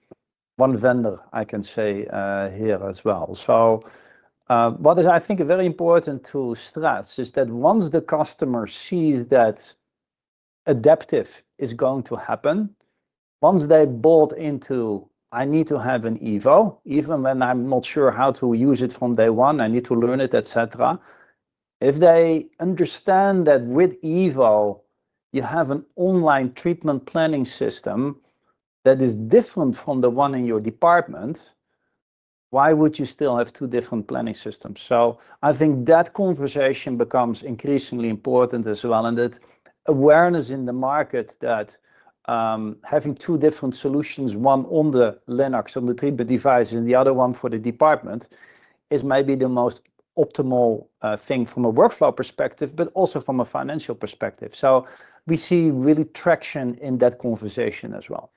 C: one vendor, I can say here as well. So what is, I think, a very important to stress is that once the customer sees that adaptive is going to happen, once they bought into, I need to have an Evo, even when I'm not sure how to use it from day one, I need to learn it, et cetera. If they understand that with Evo, you have an online treatment planning system that is different from the one in your department, why would you still have two different planning systems? So I think that conversation becomes increasingly important as well. And that awareness in the market that having two different solutions, one on the Linac, on the treatment device, and the other one for the department, is maybe the most optimal thing from a workflow perspective, but also from a financial perspective. So we see really traction in that conversation as well.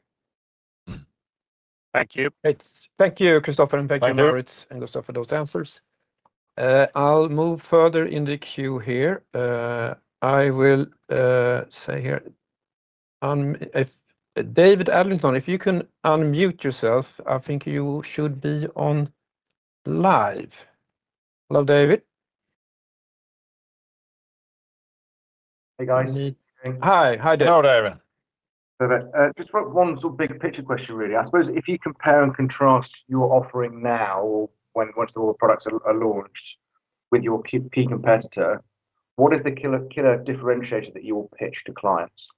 G: Thank you.
A: Thank you, Kristofer, and thank you, Maurits and Gustaf, for those answers. I'll move further in the queue here. I will say here, David Adlington, if you can unmute yourself, I think you should be on live. Hello, David.
H: Hey, guys.
A: Hi. Hi, David.
B: Hello, David.
H: Just one sort of big picture question, really. I suppose if you compare and contrast your offering now, or once all the products are launched with your key competitor, what is the killer differentiator that you will pitch to clients?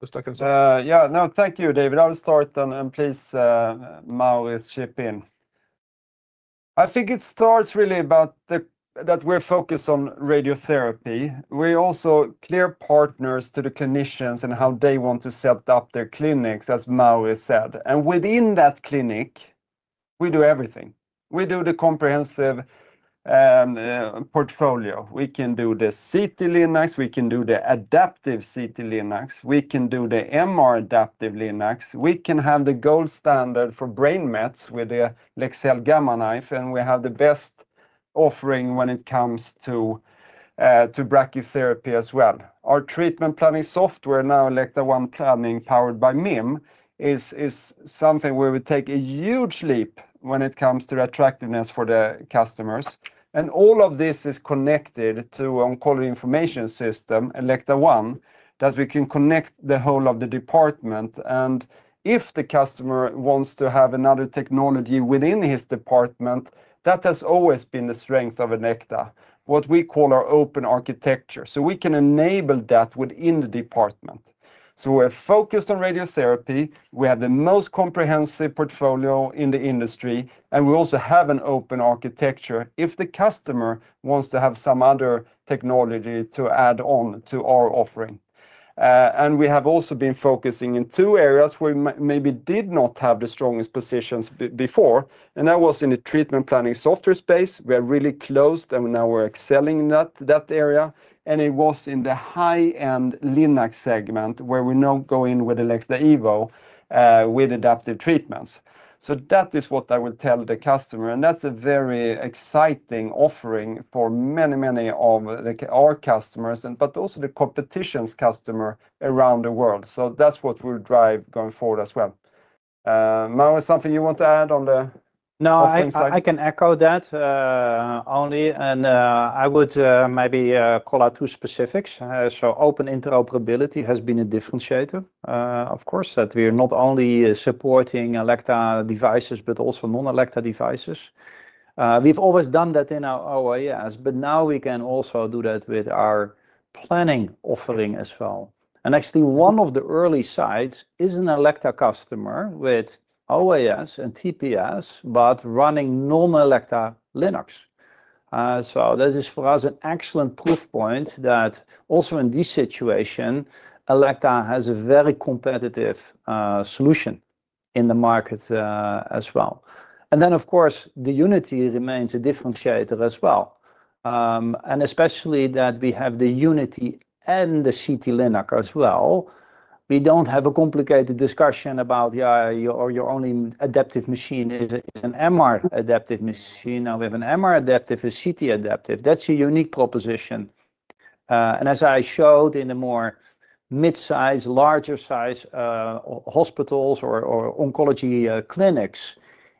A: Gustaf can start.
B: Yeah, no, thank you, David. I'll start, and please, Maurits, chip in. I think it starts really about that we're focused on radiotherapy. We're also clear partners to the clinicians and how they want to set up their clinics, as Maurits said. And within that clinic, we do everything. We do the comprehensive portfolio. We can do the CT Linacs. We can do the adaptive CT Linacs. We can do the MR adaptive Linacs. We can have the gold standard for brain mets with the Leksell Gamma Knife, and we have the best offering when it comes to brachytherapy as well. Our treatment planning software now, Elekta ONE Planning powered by MIM, is something where we take a huge leap when it comes to attractiveness for the customers, and all of this is connected to an oncology information system, Elekta ONE, that we can connect the whole of the department, and if the customer wants to have another technology within his department, that has always been the strength of Elekta, what we call our open architecture, so we can enable that within the department, so we're focused on radiotherapy. We have the most comprehensive portfolio in the industry, and we also have an open architecture if the customer wants to have some other technology to add on to our offering. We have also been focusing in two areas where we maybe did not have the strongest positions before. That was in the treatment planning software space. We are really close, and now we're excelling in that area. It was in the high-end Linac segment where we now go in with Elekta Evo with adaptive treatments. That is what I will tell the customer. That's a very exciting offering for many, many of our customers, but also the competition's customer around the world. That's what we'll drive going forward as well. Maurits, something you want to add on the offerings?
C: No, I can echo that only. I would maybe call out two specifics. Open interoperability has been a differentiator, of course, that we are not only supporting Elekta devices, but also non-Elekta devices. We've always done that in our OIS, but now we can also do that with our planning offering as well. Actually, one of the early sites is an Elekta customer with OIS and TPS, but running non-Elekta Linac. That is, for us, an excellent proof point that also in this situation, Elekta has a very competitive solution in the market as well. Then, of course, the Unity remains a differentiator as well. Especially that we have the Unity and the CT-Linac as well. We don't have a complicated discussion about, yeah, your only adaptive machine is an MR adaptive machine. Now we have an MR adaptive, a CT adaptive. That's a unique proposition. And as I showed in the more mid-size, larger-size hospitals or oncology clinics,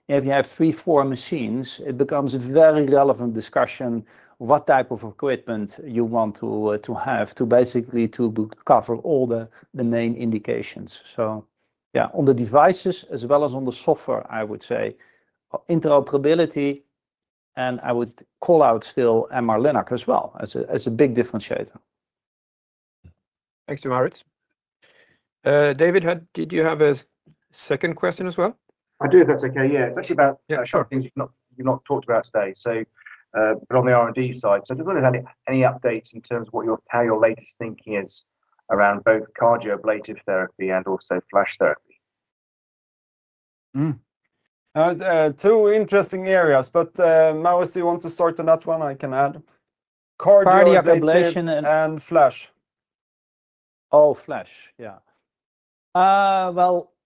C: if you have three, four machines, it becomes a very relevant discussion what type of equipment you want to have to basically cover all the main indications. So yeah, on the devices as well as on the software, I would say interoperability. And I would call out still MR Linac as well as a big differentiator.
A: Thanks to Maurits. David, did you have a second question as well?
H: I do, if that's okay. Yeah, it's actually about some things you've not talked about today, but on the R&D side. So does anyone have any updates in terms of how your latest thinking is around both cardioablation and also FLASH therapy?
B: Two interesting areas, but Maurits, do you want to start on that one? I can add. Cardioablation and FLASH.
C: Oh, FLASH, yeah.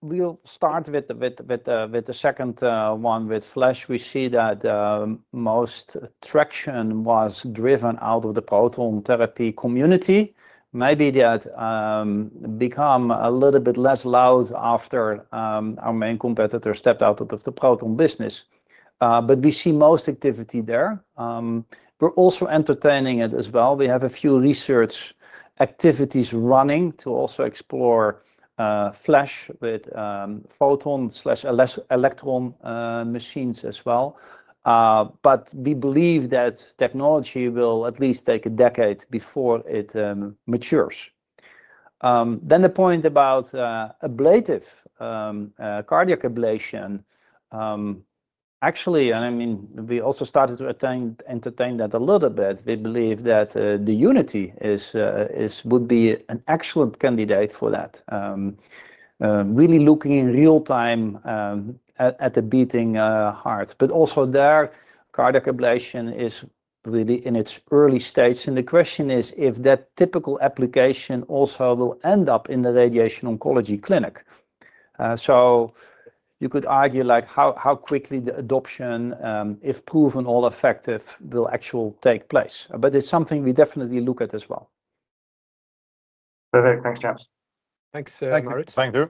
C: We'll start with the second one with FLASH. We see that most traction was driven out of the proton therapy community. Maybe that became a little bit less loud after our main competitor stepped out of the proton business. But we see most activity there. We're also entertaining it as well. We have a few research activities running to also explore FLASH with photon/electron machines as well. But we believe that technology will at least take a decade before it matures. Then the point about ablative cardiac ablation, actually, and I mean, we also started to entertain that a little bit. We believe that the Unity would be an excellent candidate for that, really looking in real time at the beating heart. But also there, cardiac ablation is really in its early stage. And the question is if that typical application also will end up in the radiation oncology clinic. So you could argue how quickly the adoption, if proven all effective, will actually take place. But it's something we definitely look at as well.
H: Perfect. Thanks, James.
A: Thanks, Maurits.
C: Thank you.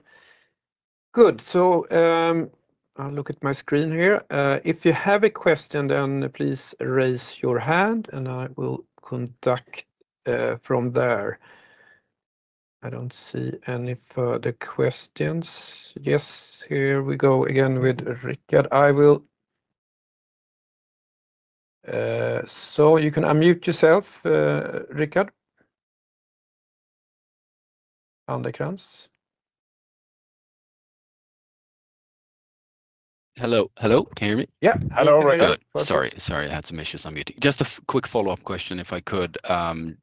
A: Good. So I'll look at my screen here. If you have a question, then please raise your hand, and I will conduct from there. I don't see any further questions. Yes, here we go again with Rickard. So you can unmute yourself, Rickard.
E: Hello. Hello. Can you hear me?
A: Yeah. Hello, Rickard.
E: Sorry. Sorry. I had some issues on mute. Just a quick follow-up question, if I could.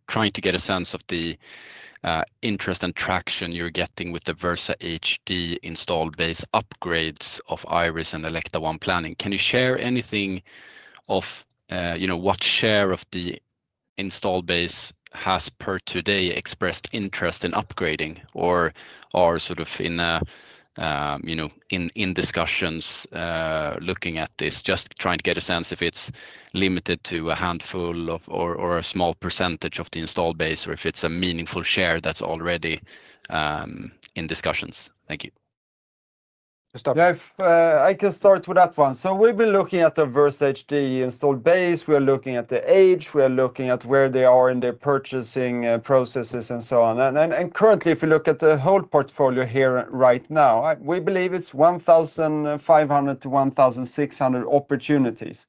E: Trying to get a sense of the interest and traction you're getting with the Versa HD installed base upgrades of Iris and Elekta ONE Planning. Can you share anything of what share of the installed base has as of today expressed interest in upgrading or are sort of in discussions looking at this, just trying to get a sense if it's limited to a handful or a small percentage of the installed base or if it's a meaningful share that's already in discussions? Thank you.
A: Gustaf?
B: I can start with that one. So we've been looking at the Versa HD installed base. We are looking at the age. We are looking at where they are in their purchasing processes and so on. And currently, if you look at the whole portfolio here right now, we believe it's 1,500-1,600 opportunities.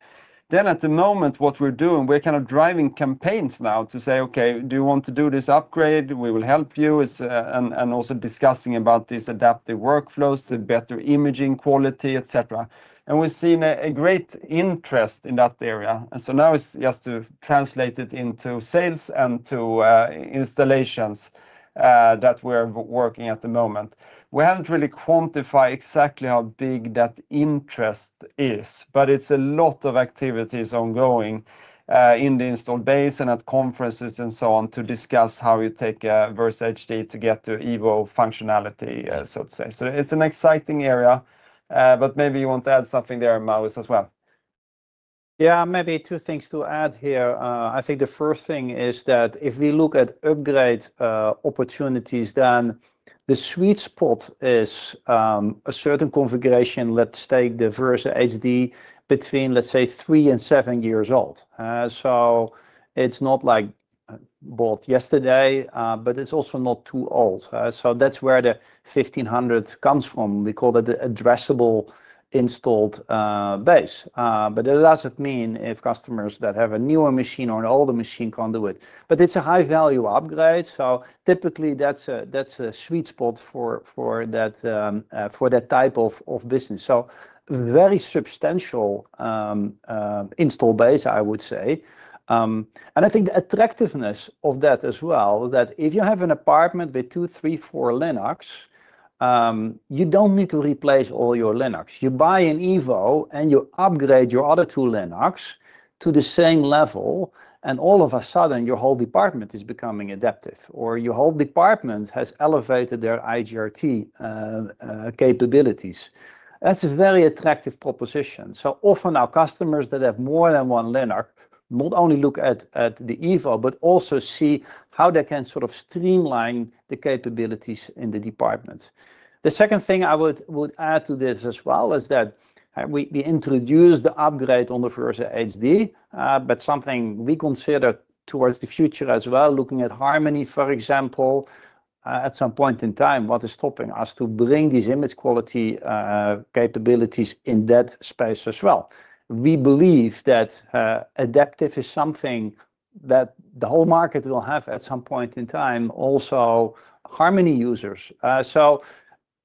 B: Then at the moment, what we're doing, we're kind of driving campaigns now to say, okay, do you want to do this upgrade? We will help you. And also discussing about these adaptive workflows to better imaging quality, et cetera. And we've seen a great interest in that area. And so now it's just to translate it into sales and to installations that we're working at the moment. We haven't really quantified exactly how big that interest is, but it's a lot of activities ongoing in the installed base and at conferences and so on to discuss how you take a Versa HD to get to Evo functionality, so to say. So it's an exciting area, but maybe you want to add something there, Maurits, as well. Yeah, maybe two things to add here. I think the first thing is that if we look at upgrade opportunities, then the sweet spot is a certain configuration, let's take the Versa HD between, let's say, three and seven years old. So it's not like bought yesterday, but it's also not too old. So that's where the 1,500 comes from. We call that the addressable installed base. But it doesn't mean if customers that have a newer machine or an older machine can't do it. But it's a high-value upgrade. So typically, that's a sweet spot for that type of business. So very substantial installed base, I would say. And I think the attractiveness of that as well, that if you have a department with two, three, four Linacs, you don't need to replace all your Linacs. You buy an Evo and you upgrade your other two Linacs to the same level. And all of a sudden, your whole department is becoming adaptive or your whole department has elevated their IGRT capabilities. That's a very attractive proposition. So often, our customers that have more than one Linac not only look at the Evo, but also see how they can sort of streamline the capabilities in the department. The second thing I would add to this as well is that we introduced the upgrade on the Versa HD, but something we consider towards the future as well, looking at Harmony, for example, at some point in time, what is stopping us to bring these image quality capabilities in that space as well. We believe that adaptive is something that the whole market will have at some point in time, also Harmony users. So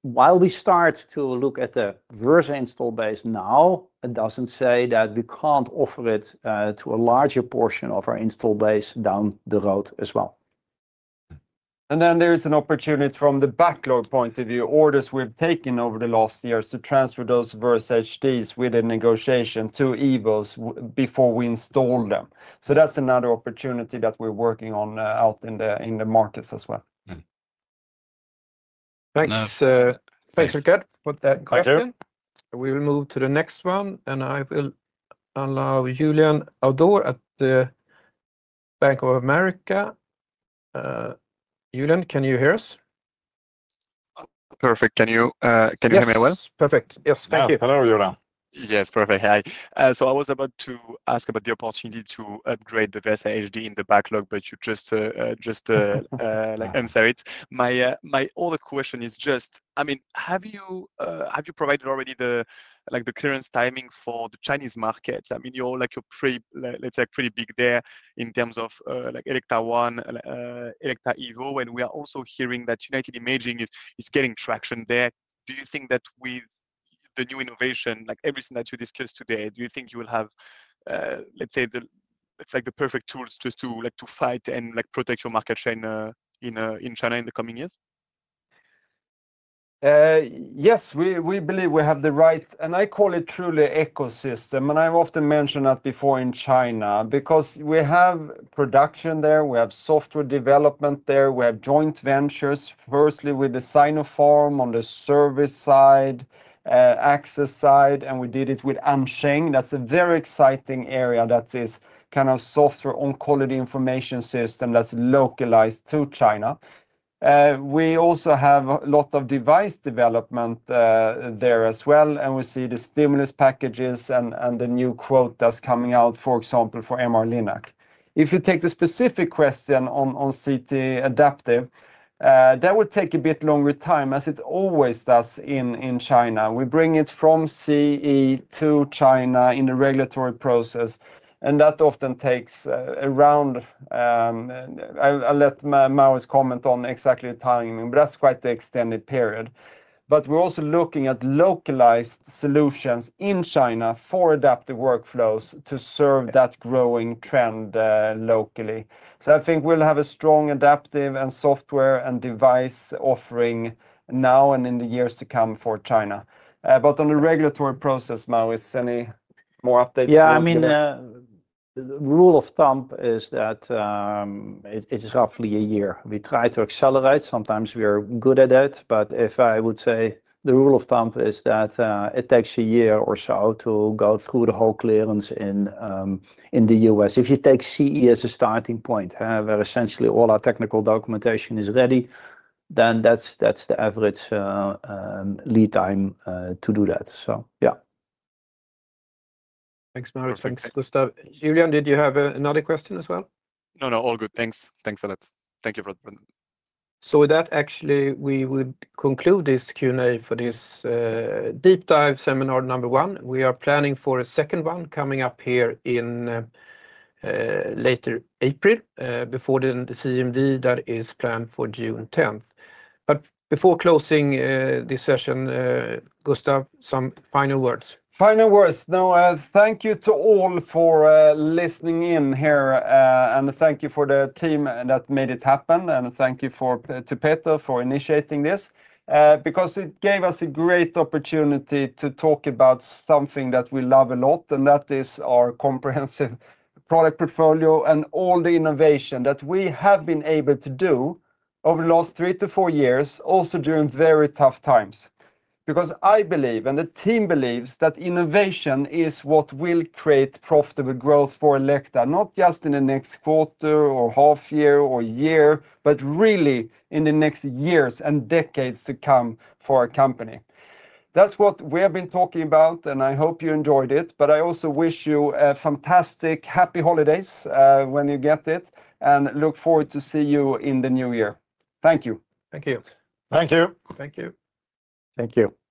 B: while we start to look at the Versa install base now, it doesn't say that we can't offer it to a larger portion of our install base down the road as well. And then there is an opportunity from the backlog point of view, orders we've taken over the last years to transfer those Versa HDs with a negotiation to Evos before we install them. So that's another opportunity that we're working on out in the markets as well.
E: Thanks.
A: Thanks, Rickard, for that question. Thank you. We will move to the next one, and I will allow Julien Dormois at the Bank of America. Julien, can you hear us?
I: Perfect. Can you hear me well?
A: Yes. Perfect. Yes. Thank you.
I: Hello, Jordan. Yes. Perfect. Hi. So I was about to ask about the opportunity to upgrade the Versa HD in the backlog, but you just answered it. My other question is just, I mean, have you provided already the clearance timing for the Chinese market? I mean, you're pretty, let's say, pretty big there in terms of Elekta ONE, Elekta Evo, and we are also hearing that United Imaging is getting traction there. Do you think that with the new innovation, like everything that you discussed today, do you think you will have, let's say, the perfect tools just to fight and protect your market share in China in the coming years?
B: Yes, we believe we have the right, and I call it truly ecosystem. And I've often mentioned that before in China because we have production there. We have software development there. We have joint ventures, firstly with the Sinopharm on the service side, access side, and we did it with AnSheng. That's a very exciting area that is kind of software, oncology information system that's localized to China. We also have a lot of device development there as well. And we see the stimulus packages and the new quota that's coming out, for example, for MR Linac. If you take the specific question on CT adaptive, that will take a bit longer time as it always does in China. We bring it from CE to China in the regulatory process, and that often takes around. I'll let Maurits comment on exactly the timing, but that's quite the extended period. But we're also looking at localized solutions in China for adaptive workflows to serve that growing trend locally. So I think we'll have a strong adaptive and software and device offering now and in the years to come for China. But on the regulatory process, Maurits, any more updates?
C: Yeah, I mean, the rule of thumb is that it is roughly a year. We try to accelerate. Sometimes we are good at that. But if I would say the rule of thumb is that it takes a year or so to go through the whole clearance in the U.S. If you take CE as a starting point, where essentially all our technical documentation is ready, then that's the average lead time to do that. So yeah.
A: Thanks, Maurits. Thanks, Gustaf. Julien, did you have another question as well?
I: No, no. All good. Thanks. Thanks a lot. Thank you for the.
A: So with that, actually, we would conclude this Q&A for this deep dive seminar number one. We are planning for a second one coming up here in later April before the CMD that is planned for June 10th. But before closing this session, Gustaf, some final words.
B: Final words. No, thank you to all for listening in here. And thank you for the team that made it happen. And thank you to Peter for initiating this because it gave us a great opportunity to talk about something that we love a lot, and that is our comprehensive product portfolio and all the innovation that we have been able to do over the last three to four years, also during very tough times. Because I believe, and the team believes, that innovation is what will create profitable growth for Elekta, not just in the next quarter or half year or year, but really in the next years and decades to come for our company. That's what we have been talking about, and I hope you enjoyed it. But I also wish you a fantastic happy holidays when you get it and look forward to seeing you in the new year. Thank you.
A: Thank you.
D: Thank you.
C: Thank you.
D: Thank you.